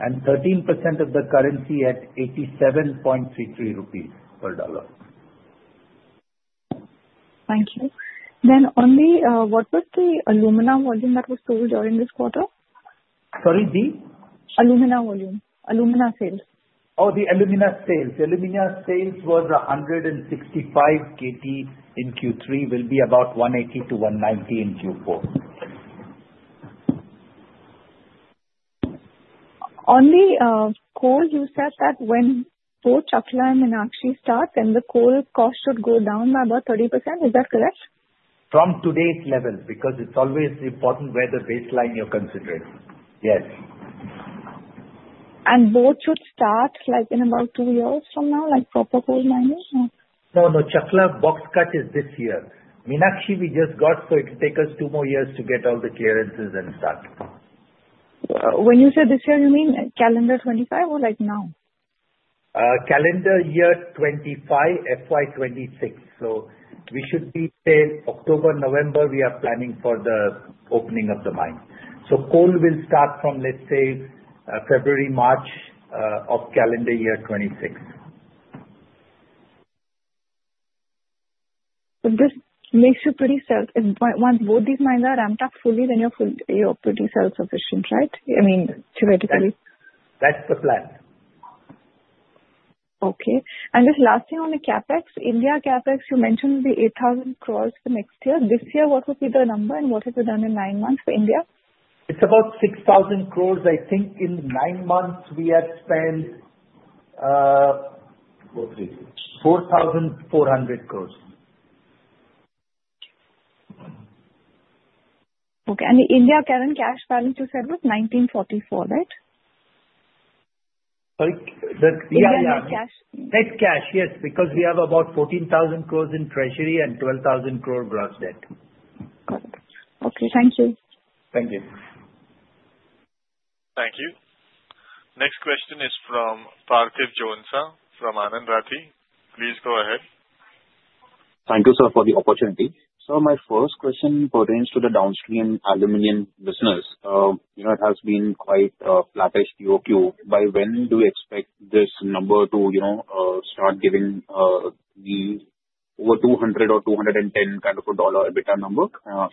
[SPEAKER 3] and 13% of the currency at 87.33 rupees per dollar.
[SPEAKER 13] Thank you. Then only what was the aluminum volume that was sold during this quarter?
[SPEAKER 3] Sorry, the?
[SPEAKER 13] Alumina volume. Alumina sales.
[SPEAKER 3] Oh, the alumina sales. The alumina sales was 165 KT in Q3. It will be about 180-190 in Q4.
[SPEAKER 13] Only coal, you said that when both Chakla and Meenakshi start, then the coal cost should go down by about 30%. Is that correct?
[SPEAKER 3] From today's level because it's always important where the baseline you're considering. Yes.
[SPEAKER 13] And both should start in about two years from now, like proper coal mining, or?
[SPEAKER 3] No, no. Chakla, box cut is this year. Meenakshi, we just got, so it'll take us two more years to get all the clearances and start.
[SPEAKER 13] When you say this year, you mean calendar 2025 or now?
[SPEAKER 3] Calendar year 2025, FY 2026. So we should be till October, November. We are planning for the opening of the mine. So coal will start from, let's say, February, March of calendar year 2026.
[SPEAKER 13] So this makes you pretty self-sufficient once both these mines are ramped up fully, then you're pretty self-sufficient, right? I mean, theoretically.
[SPEAKER 3] That's the plan.
[SPEAKER 13] Okay. And just last thing on the CapEx. India CapEx, you mentioned would be 8,000 crore for next year. This year, what would be the number, and what have you done in nine months for India?
[SPEAKER 3] It's about 6,000 crore. I think in nine months, we have spent 4,400 crore.
[SPEAKER 13] Okay. And the India current cash balance, you said was INR 1,944 crore right?
[SPEAKER 3] Sorry? The India cash? Net cash, yes, because we have about 14,000 crore in treasury and 12,000 crore gross debt.
[SPEAKER 13] Got it. Okay. Thank you.
[SPEAKER 1] Next question is from Parthiv Jhonsa from Anand Rathi. Please go ahead.
[SPEAKER 14] Thank you, sir, for the opportunity. So my first question pertains to the downstream aluminum business. It has been quite a flattish POQ. By when do you expect this number to start giving the over $200 or $210 kind of a dollar EBITDA number?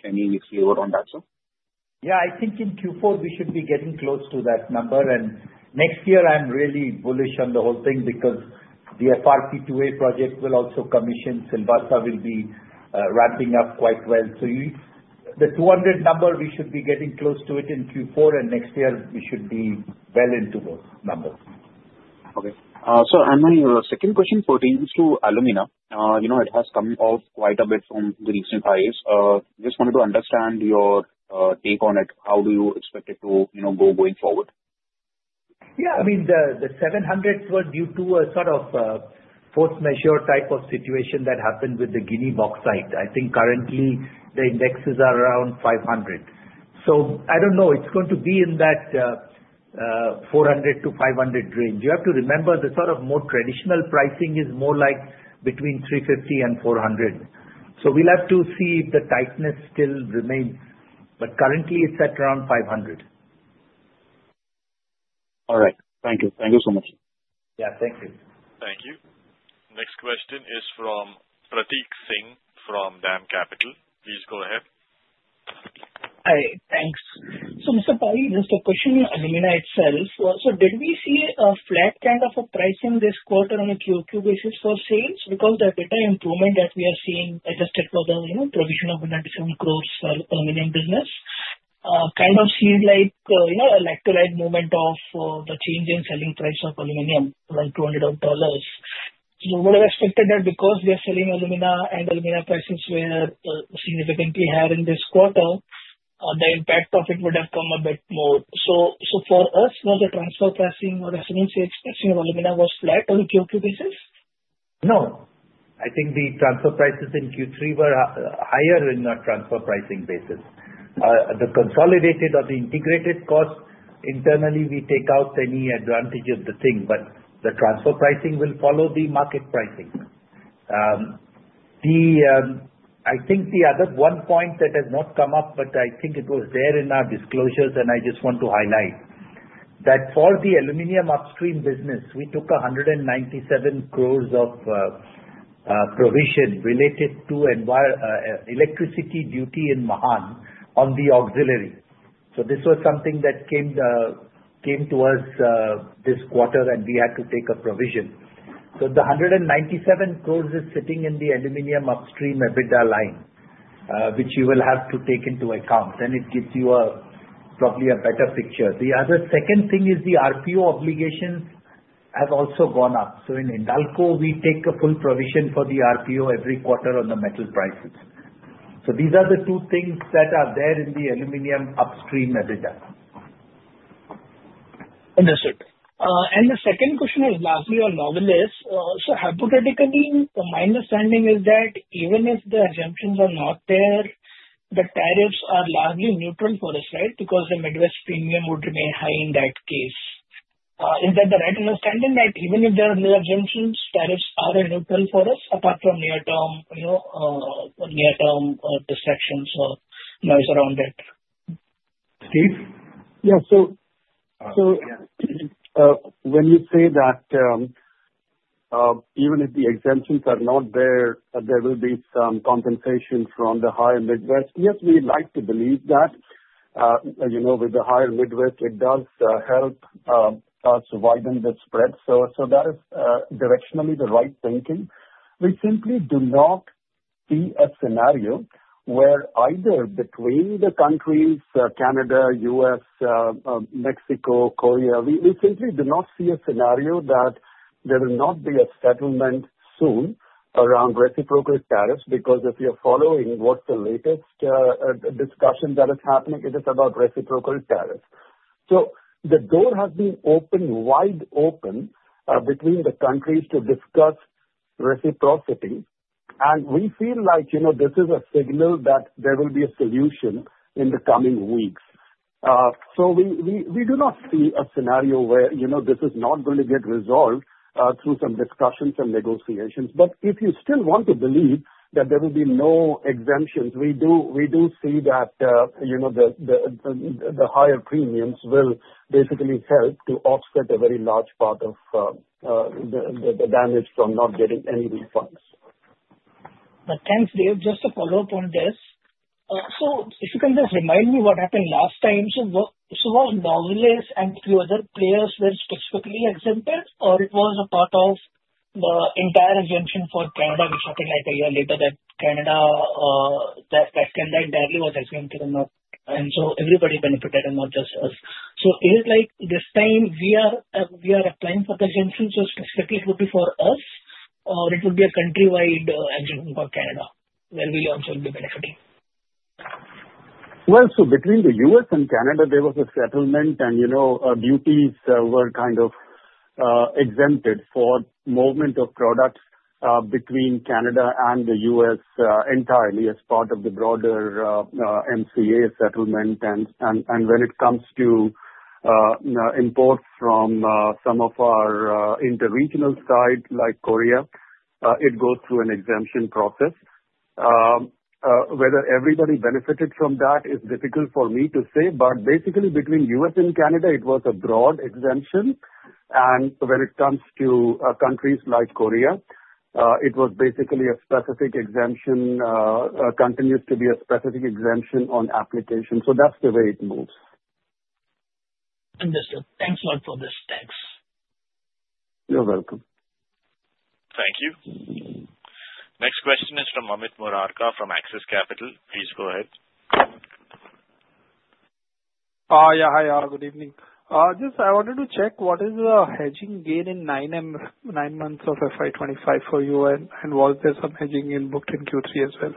[SPEAKER 14] Any flavor on that, sir?
[SPEAKER 3] Yeah. I think in Q4, we should be getting close to that number. And next year, I'm really bullish on the whole thing because the FRP 2A project will also commission. Silvassa will be ramping up quite well. So the $200 number, we should be getting close to it in Q4, and next year, we should be well into those numbers.
[SPEAKER 14] Okay. Sir, and then your second question pertains to alumina. It has come off quite a bit from the recent highs. Just wanted to understand your take on it. How do you expect it to go going forward?
[SPEAKER 3] Yeah. I mean, the $700s were due to a sort of force majeure type of situation that happened with the Guinea bauxite. I think currently, the indexes are around $500. So I don't know. It's going to be in that $400-$500 range. You have to remember the sort of more traditional pricing is more like between $350 and $400. So we'll have to see if the tightness still remains. But currently, it's at around $500.
[SPEAKER 14] All right. Thank you. Thank you so much.
[SPEAKER 3] Yeah. Thank you.
[SPEAKER 1] Thank you. Next question is from Prateek Singh from DAM Capital. Please go ahead.
[SPEAKER 15] Thanks. So Mr. Pai, just a question on alumina itself. So did we see a flat kind of a price in this quarter on a POQ basis for sales? Because the data improvement that we are seeing adjusted for the provision of 127 crore aluminum business kind of seemed like an equivalent moment of the change in selling price of aluminum, around $200. So we would have expected that because we are selling alumina and alumina prices were significantly higher in this quarter, the impact of it would have come a bit more. So for us, was the transfer pricing or realized pricing of alumina flat on a POQ basis?
[SPEAKER 3] No. I think the transfer prices in Q3 were higher in our transfer pricing basis. The consolidated or the integrated cost, internally, we take out any advantage of the thing. But the transfer pricing will follow the market pricing. I think the other one point that has not come up, but I think it was there in our disclosures, and I just want to highlight that for the aluminum upstream business, we took 197 crore of provision related to electricity duty in Mahan on the auxiliary. So this was something that came to us this quarter, and we had to take a provision. So the 197 crore is sitting in the aluminum upstream EBITDA line, which you will have to take into account. Then it gives you probably a better picture. The other second thing is the RPO obligations have also gone up. So in Hindalco, we take a full provision for the RPO every quarter on the metal prices. So these are the two things that are there in the aluminum upstream EBITDA.
[SPEAKER 15] Understood, and the second question is largely on Novelis. So hypothetically, my understanding is that even if the exemptions are not there, the tariffs are largely neutral for us, right? Because the Midwest premium would remain high in that case. Is that the right understanding that even if there are no exemptions, tariffs are neutral for us apart from near-term distractions or noise around it?
[SPEAKER 3] Steve?
[SPEAKER 11] Yeah. So when you say that even if the exemptions are not there, there will be some compensation from the higher Midwest, yes, we'd like to believe that. With the higher Midwest, it does help us widen the spread. So that is directionally the right thinking. We simply do not see a scenario where either between the countries, Canada, U.S., Mexico, Korea, we simply do not see a scenario that there will not be a settlement soon around reciprocal tariffs because if you're following what's the latest discussion that is happening, it is about reciprocal tariffs. The door has been opened, wide open between the countries to discuss reciprocity. We feel like this is a signal that there will be a solution in the coming weeks. We do not see a scenario where this is not going to get resolved through some discussions and negotiations. If you still want to believe that there will be no exemptions, we do see that the higher premiums will basically help to offset a very large part of the damage from not getting any refunds.
[SPEAKER 15] Thanks, Dev. Just to follow up on this, so if you can just remind me what happened last time, so was Novelis and a few other players specifically exempted, or it was a part of the entire exemption for Canada, which happened like a year later that Canada entirely was exempted or not. And so everybody benefited and not just us. So is it like this time we are applying for the exemption, so specifically it would be for us, or it would be a countrywide exemption for Canada where we also would be benefiting?
[SPEAKER 11] Well, so between the U.S. and Canada, there was a settlement, and duties were kind of exempted for movement of products between Canada and the U.S. entirely as part of the broader USMCA settlement. And when it comes to imports from some of our international sites like Korea, it goes through an exemption process. Whether everybody benefited from that is difficult for me to say, but basically, between U.S. and Canada, it was a broad exemption. And when it comes to countries like Korea, it was basically a specific exemption continues to be a specific exemption on application. So that's the way it moves.
[SPEAKER 15] Understood. Thanks a lot for this. Thanks.
[SPEAKER 11] You're welcome.
[SPEAKER 1] Thank you. Next question is from Amit Murarka from Axis Capital. Please go ahead.
[SPEAKER 16] Yeah. Hi. Good evening. Just I wanted to check what is the hedging gain in nine months of FY 2025 for you, and was there some hedging gain booked in Q3 as well?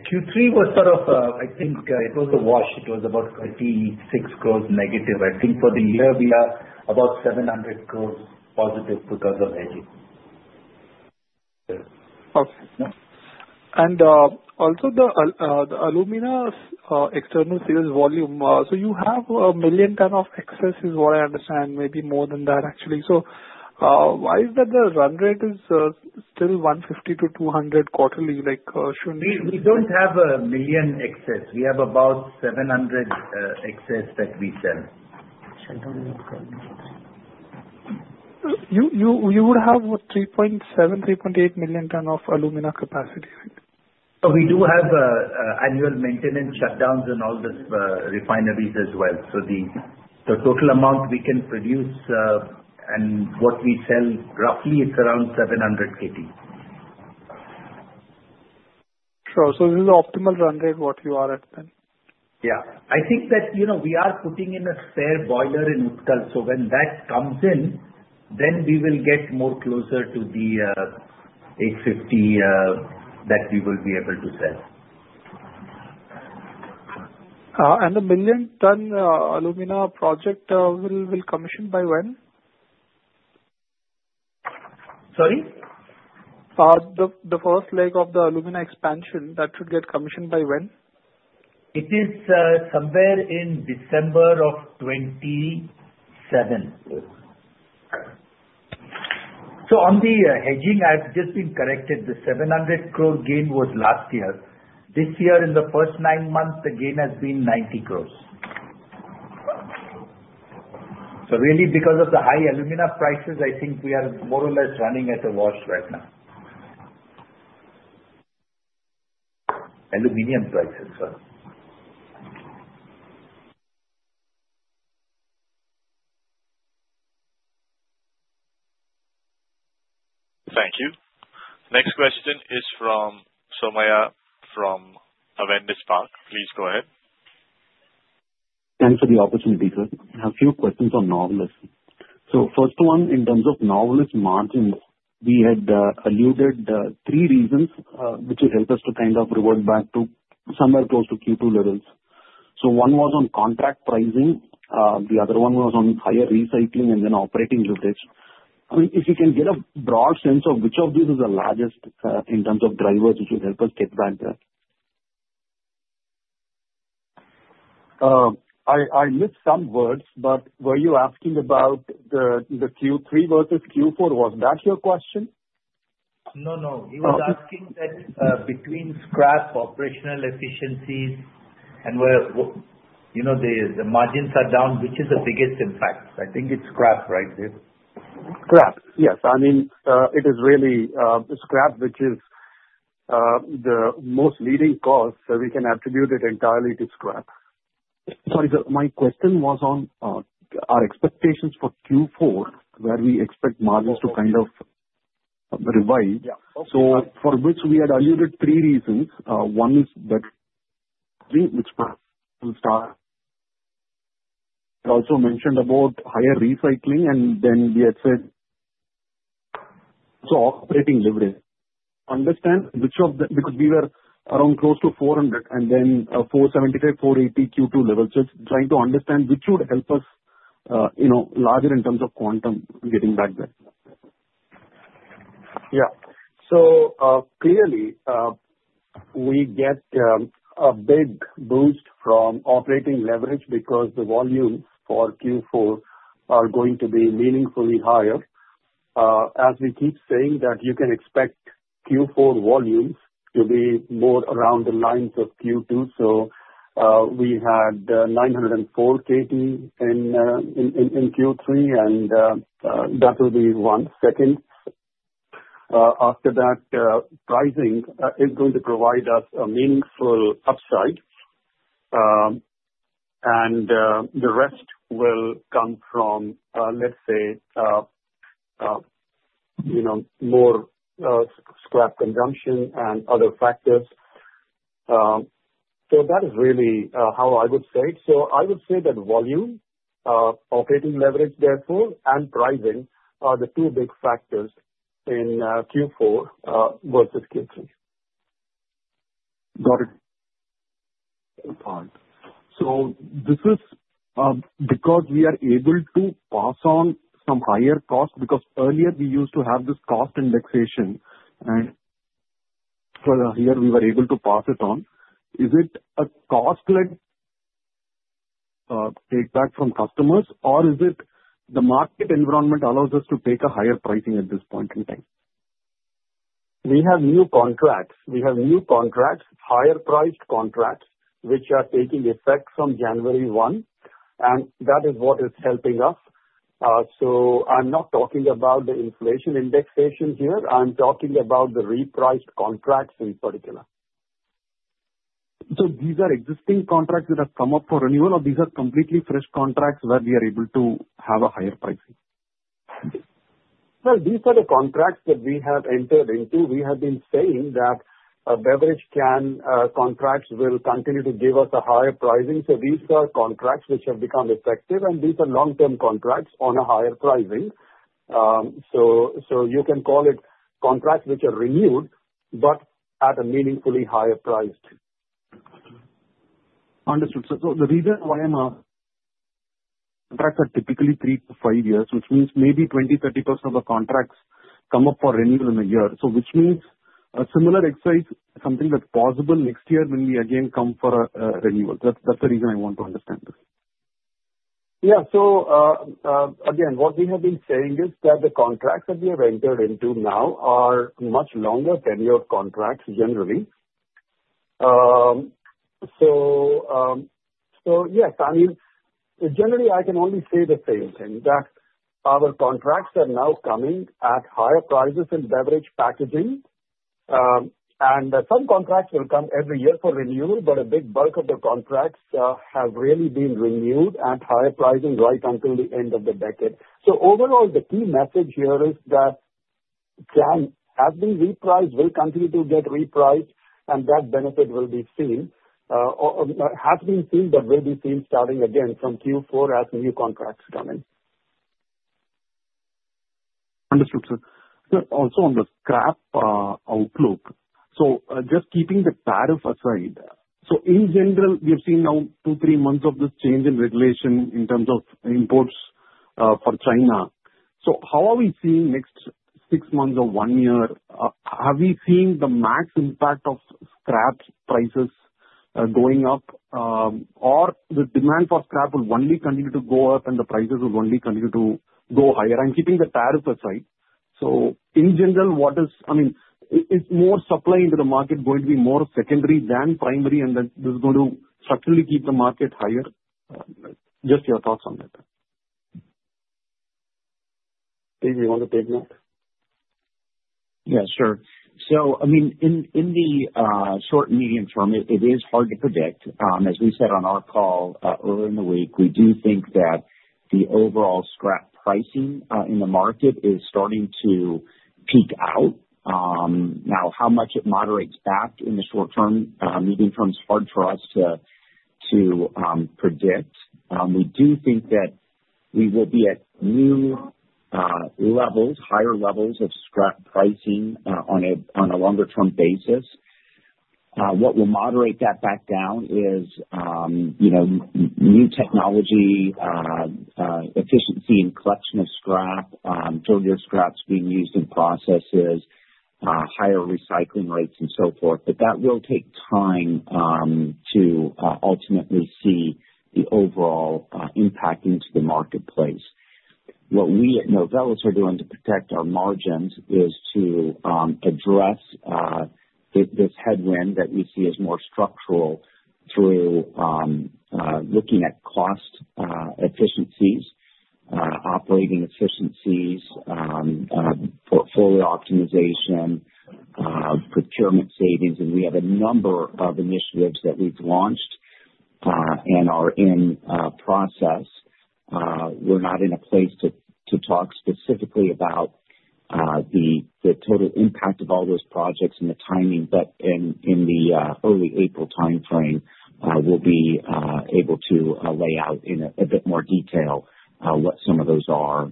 [SPEAKER 3] Q3 was sort of, I think it was a wash. It was about 36 crore negative. I think for the year, we are about 700 crore positive because of hedging.
[SPEAKER 16] Okay. And also the alumina external sales volume, so you have a million kind of excess is what I understand, maybe more than that, actually. So why is that the run rate is still 150 KT-200 KT quarterly?
[SPEAKER 3] We don't have a million excess. We have about 700 KT excess that we sell.
[SPEAKER 16] You would have 3.7 million-3.8 million tons of alumina capacity, right?
[SPEAKER 3] So we do have annual maintenance shutdowns and all the refineries as well. So the total amount we can produce and what we sell roughly is around 700 KT.
[SPEAKER 16] Sure. So this is the optimal run rate what you are at then?
[SPEAKER 3] Yeah. I think that we are putting in a spare boiler in Utkal. So when that comes in, then we will get more closer to the 850 KT that we will be able to sell.
[SPEAKER 16] And the million-ton alumina project will commission by when?
[SPEAKER 3] Sorry?
[SPEAKER 16] The first leg of the alumina expansion, that should get commissioned by when?
[SPEAKER 3] It is somewhere in December of 2027. So on the hedging, I've just been corrected. The 700 crore gain was last year. This year, in the first nine months, the gain has been 90 crore. So really, because of the high alumina prices, I think we are more or less running at a wash right now. Aluminum prices, sir.
[SPEAKER 1] Thank you. Next question is from Somaya from Avendus Spark. Please go ahead.
[SPEAKER 17] Thanks for the opportunity, sir. I have a few questions on Novelis. So first one, in terms of Novelis margins, we had alluded three reasons which would help us to kind of revert back to somewhere close to Q2 levels. So one was on contract pricing. The other one was on higher recycling and then operating leverage. I mean, if you can get a broad sense of which of these is the largest in terms of drivers which would help us get back there.
[SPEAKER 11] I missed some words, but were you asking about the Q3 versus Q4? Was that your question?
[SPEAKER 3] No, no. He was asking that between scrap, operational efficiencies, and where the margins are down, which is the biggest impact. I think it's scrap, right, Dev?
[SPEAKER 11] Scrap. Yes. I mean, it is really scrap, which is the most leading cause. So we can attribute it entirely to scrap.
[SPEAKER 17] Sorry, sir. My question was on our expectations for Q4, where we expect margins to kind of revise. So for which we had alluded three reasons. One is that we will start. I also mentioned about higher recycling, and then we had said so operating leverage. Understand which of the because we were around close to 400 and then 475, 480 Q2 levels. So trying to understand which would help us larger in terms of quantum getting back there.
[SPEAKER 11] Yeah. So clearly, we get a big boost from operating leverage because the volumes for Q4 are going to be meaningfully higher. As we keep saying that you can expect Q4 volumes to be more around the lines of Q2. So we had 904 KT in Q3, and that will be one. Second, after that, pricing is going to provide us a meaningful upside. And the rest will come from, let's say, more scrap consumption and other factors. So that is really how I would say it. So I would say that volume, operating leverage, therefore, and pricing are the two big factors in Q4 versus Q3.
[SPEAKER 17] Got it.
[SPEAKER 3] So this is because we are able to pass on some higher cost because earlier we used to have this cost indexation, and here we were able to pass it on. Is it a cost-led take back from customers, or is it the market environment allows us to take a higher pricing at this point in time?
[SPEAKER 11] We have new contracts. We have new contracts, higher-priced contracts, which are taking effect from January 1. And that is what is helping us. So I'm not talking about the inflation indexation here. I'm talking about the repriced contracts in particular.
[SPEAKER 17] So these are existing contracts that have come up for renewal, or these are completely fresh contracts where we are able to have a higher pricing?
[SPEAKER 11] Well, these are the contracts that we have entered into. We have been saying that beverage can contracts will continue to give us a higher pricing.
[SPEAKER 3] These are contracts which have become effective, and these are long-term contracts on a higher pricing. So you can call it contracts which are renewed, but at a meaningfully higher price.
[SPEAKER 17] Understood. So the reason why the contracts are typically three to five years, which means maybe 20%-30% of the contracts come up for renewal in a year. So which means a similar exercise, something that's possible next year when we again come for renewal. That's the reason I want to understand this.
[SPEAKER 11] Yeah. So again, what we have been saying is that the contracts that we have entered into now are much longer-tenure contracts generally. So yes. I mean, generally, I can only say the same thing, that our contracts are now coming at higher prices in beverage packaging. And some contracts will come every year for renewal, but a big bulk of the contracts have really been renewed at higher pricing right until the end of the decade. So overall, the key message here is that can have been repriced, will continue to get repriced, and that benefit will be seen or has been seen but will be seen starting again from Q4 as new contracts come in.
[SPEAKER 17] Understood, sir. Also on the scrap outlook, so just keeping the tariff aside, so in general, we have seen now two, three months of this change in regulation in terms of imports for China. So how are we seeing next six months or one year? Have we seen the max impact of scrap prices going up, or the demand for scrap will only continue to go up, and the prices will only continue to go higher? I'm keeping the tariff aside, so in general, what I mean is more supply into the market going to be more secondary than primary, and that this is going to structurally keep the market higher? Just your thoughts on that.
[SPEAKER 3] Steve, do you want to take that?
[SPEAKER 7] Yeah, sure, so I mean, in the short and medium term, it is hard to predict. As we said on our call earlier in the week, we do think that the overall scrap pricing in the market is starting to peak out. Now, how much it moderates back in the short term, medium term is hard for us to predict. We do think that we will be at new levels, higher levels of scrap pricing on a longer-term basis. What will moderate that back down is new technology, efficiency in collection of scrap, earlier scraps being used in processes, higher recycling rates, and so forth. But that will take time to ultimately see the overall impact into the marketplace. What we at Novelis are doing to protect our margins is to address this headwind that we see as more structural through looking at cost efficiencies, operating efficiencies, portfolio optimization, procurement savings. And we have a number of initiatives that we've launched and are in process. We're not in a place to talk specifically about the total impact of all those projects and the timing, but in the early April timeframe, we'll be able to lay out in a bit more detail what some of those are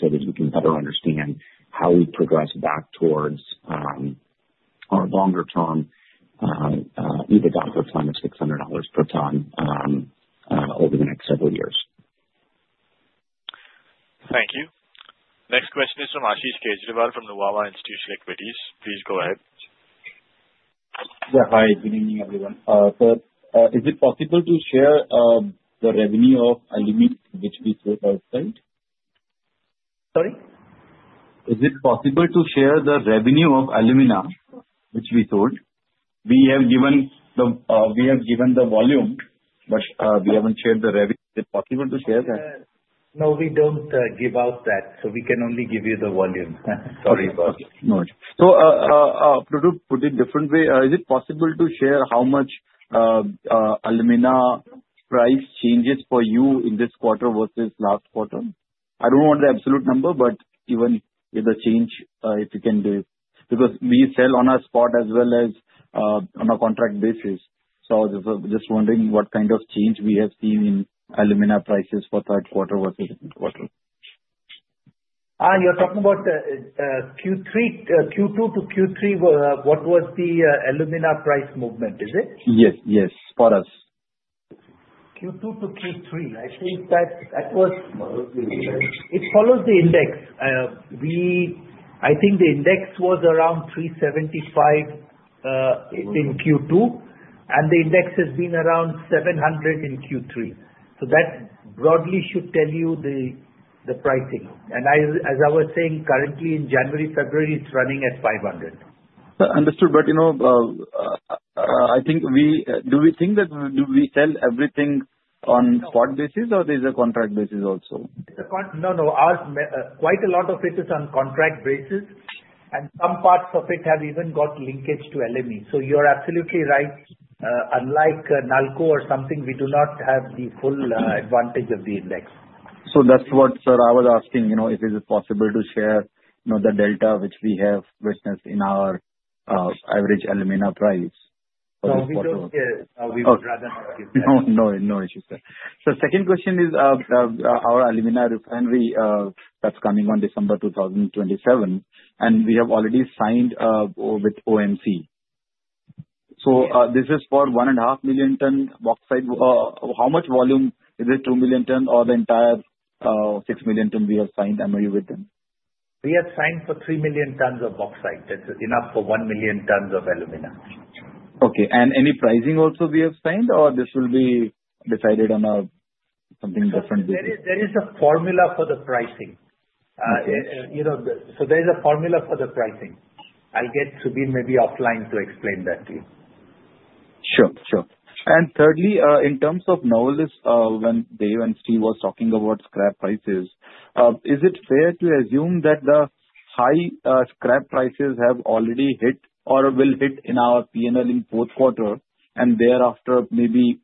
[SPEAKER 7] so that we can better understand how we progress back towards our longer-term, even downward climb of $600 per ton over the next several years.
[SPEAKER 1] Thank you. Next question is from Ashish Kejriwal from Nuvama Institutional Equities. Please go ahead.
[SPEAKER 18] Yeah. Hi. Good evening, everyone. Sir, is it possible to share the revenue of alumina which we sold outside?
[SPEAKER 3] Sorry?
[SPEAKER 18] Is it possible to share the revenue of alumina which we sold? We have given the volume, but we haven't shared the revenue. Is it possible to share that?
[SPEAKER 3] No, we don't give out that. So we can only give you the volume. Sorry about that.
[SPEAKER 18] Okay. No worries. So to put it differently, is it possible to share how much alumina price changes for you in this quarter versus last quarter? I don't want the absolute number, but even with the change, if you can do it. Because we sell on a spot as well as on a contract basis. So I was just wondering what kind of change we have seen in alumina prices for third quarter versus fourth quarter.
[SPEAKER 3] You're talking about Q2 to Q3. What was the alumina price movement, is it?
[SPEAKER 18] Yes, yes. For us.
[SPEAKER 3] Q2 to Q3. I think that it follows the index. I think the index was around $375 in Q2, and the index has been around $700 in Q3. So that broadly should tell you the pricing. And as I was saying, currently in January, February, it's running at $500.
[SPEAKER 18] Understood. But I think we sell everything on spot basis, or is it contract basis also?
[SPEAKER 3] No, no. Quite a lot of it is on contract basis, and some parts of it have even got linkage to LME. So you're absolutely right. Unlike NALCO or something, we do not have the full advantage of the index.
[SPEAKER 18] So that's what, sir, I was asking. If it is possible to share the delta which we have witnessed in our average alumina price for this quarter.
[SPEAKER 3] No, we would rather not give that.
[SPEAKER 18] No, no issues, sir. So second question is our alumina refinery that's coming on December 2027, and we have already signed with OMC. So this is for 1.5 million ton bauxite. How much volume? Is it 2 million ton or the entire 6 million ton we have signed MOU with them?
[SPEAKER 3] We have signed for 3 million tons of bauxite. That's enough for 1 million tons of alumina.
[SPEAKER 18] Okay. And any pricing also we have signed, or this will be decided on something different?
[SPEAKER 3] There is a formula for the pricing. So there is a formula for the pricing. I'll get Subir maybe offline to explain that to you.
[SPEAKER 18] Sure, sure. And thirdly, in terms of Novelis, when Dev and Steve were talking about scrap prices, is it fair to assume that the high scrap prices have already hit or will hit in our P&L in fourth quarter, and thereafter maybe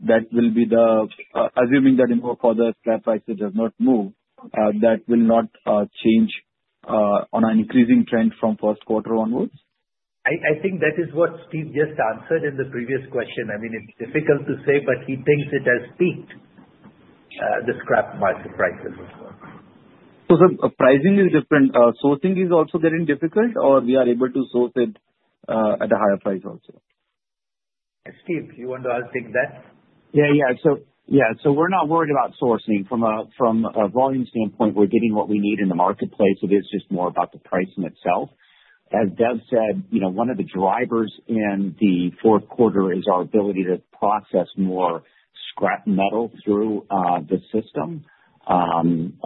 [SPEAKER 18] that will be the assuming that for the scrap prices does not move, that will not change on an increasing trend from first quarter onwards?
[SPEAKER 3] I think that is what Steve just answered in the previous question. I mean, it's difficult to say, but he thinks it has peaked, the scrap prices.
[SPEAKER 18] So sir, pricing is different. Sourcing is also getting difficult, or we are able to source it at a higher price also?
[SPEAKER 3] Steve, you want to take that?
[SPEAKER 7] Yeah, yeah. So yeah. So we're not worried about sourcing. From a volume standpoint, we're getting what we need in the marketplace. It is just more about the pricing itself. As Dev said, one of the drivers in the fourth quarter is our ability to process more scrap metal through the system in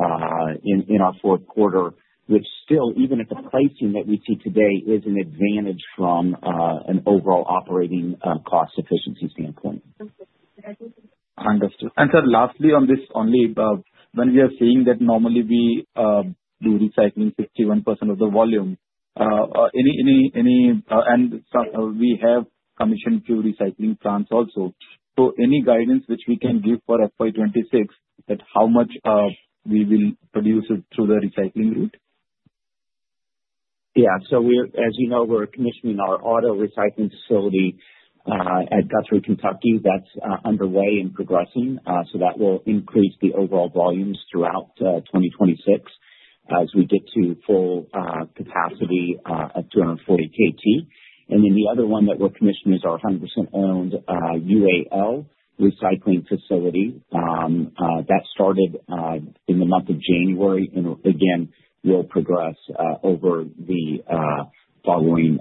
[SPEAKER 7] our fourth quarter, which still, even at the pricing that we see today, is an advantage from an overall operating cost efficiency standpoint.
[SPEAKER 18] Understood. And sir, lastly on this, only when we are seeing that normally we do recycling 61% of the volume, and we have commissioned two recycling plants also. So any guidance which we can give for FY 2026 that how much we will produce it through the recycling route?
[SPEAKER 7] Yeah. So as you know, we're commissioning our auto recycling facility at Guthrie, Kentucky. That's underway and progressing. So that will increase the overall volumes throughout 2026 as we get to full capacity at 240 KT. And then the other one that we're commissioning is our 100% owned Ulsan recycling facility. That started in the month of January, and again, will progress over the following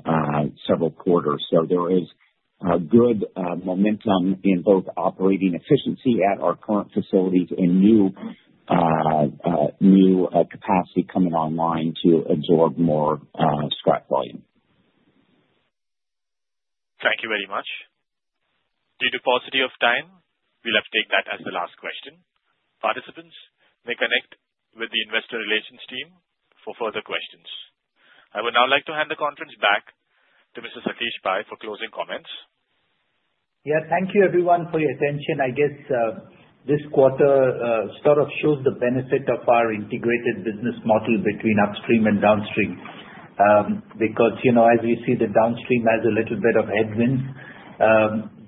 [SPEAKER 7] several quarters. So there is good momentum in both operating efficiency at our current facilities and new capacity coming online to absorb more scrap volume.
[SPEAKER 1] Thank you very much. Due to paucity of time, we'll have to take that as the last question. Participants may connect with the investor relations team for further questions. I would now like to hand the conference back to Mr. Satish Pai for closing comments.
[SPEAKER 3] Yeah. Thank you, everyone, for your attention. I guess this quarter sort of shows the benefit of our integrated business model between upstream and downstream because as we see the downstream has a little bit of headwinds,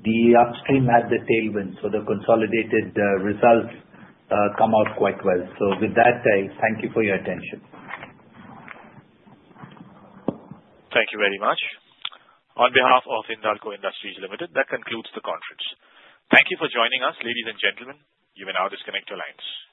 [SPEAKER 3] the upstream has the tailwinds. So the consolidated results come out quite well. So with that, I thank you for your attention.
[SPEAKER 1] Thank you very much. On behalf of Hindalco Industries Limited, that concludes the conference. Thank you for joining us, ladies and gentlemen. You may now disconnect your lines.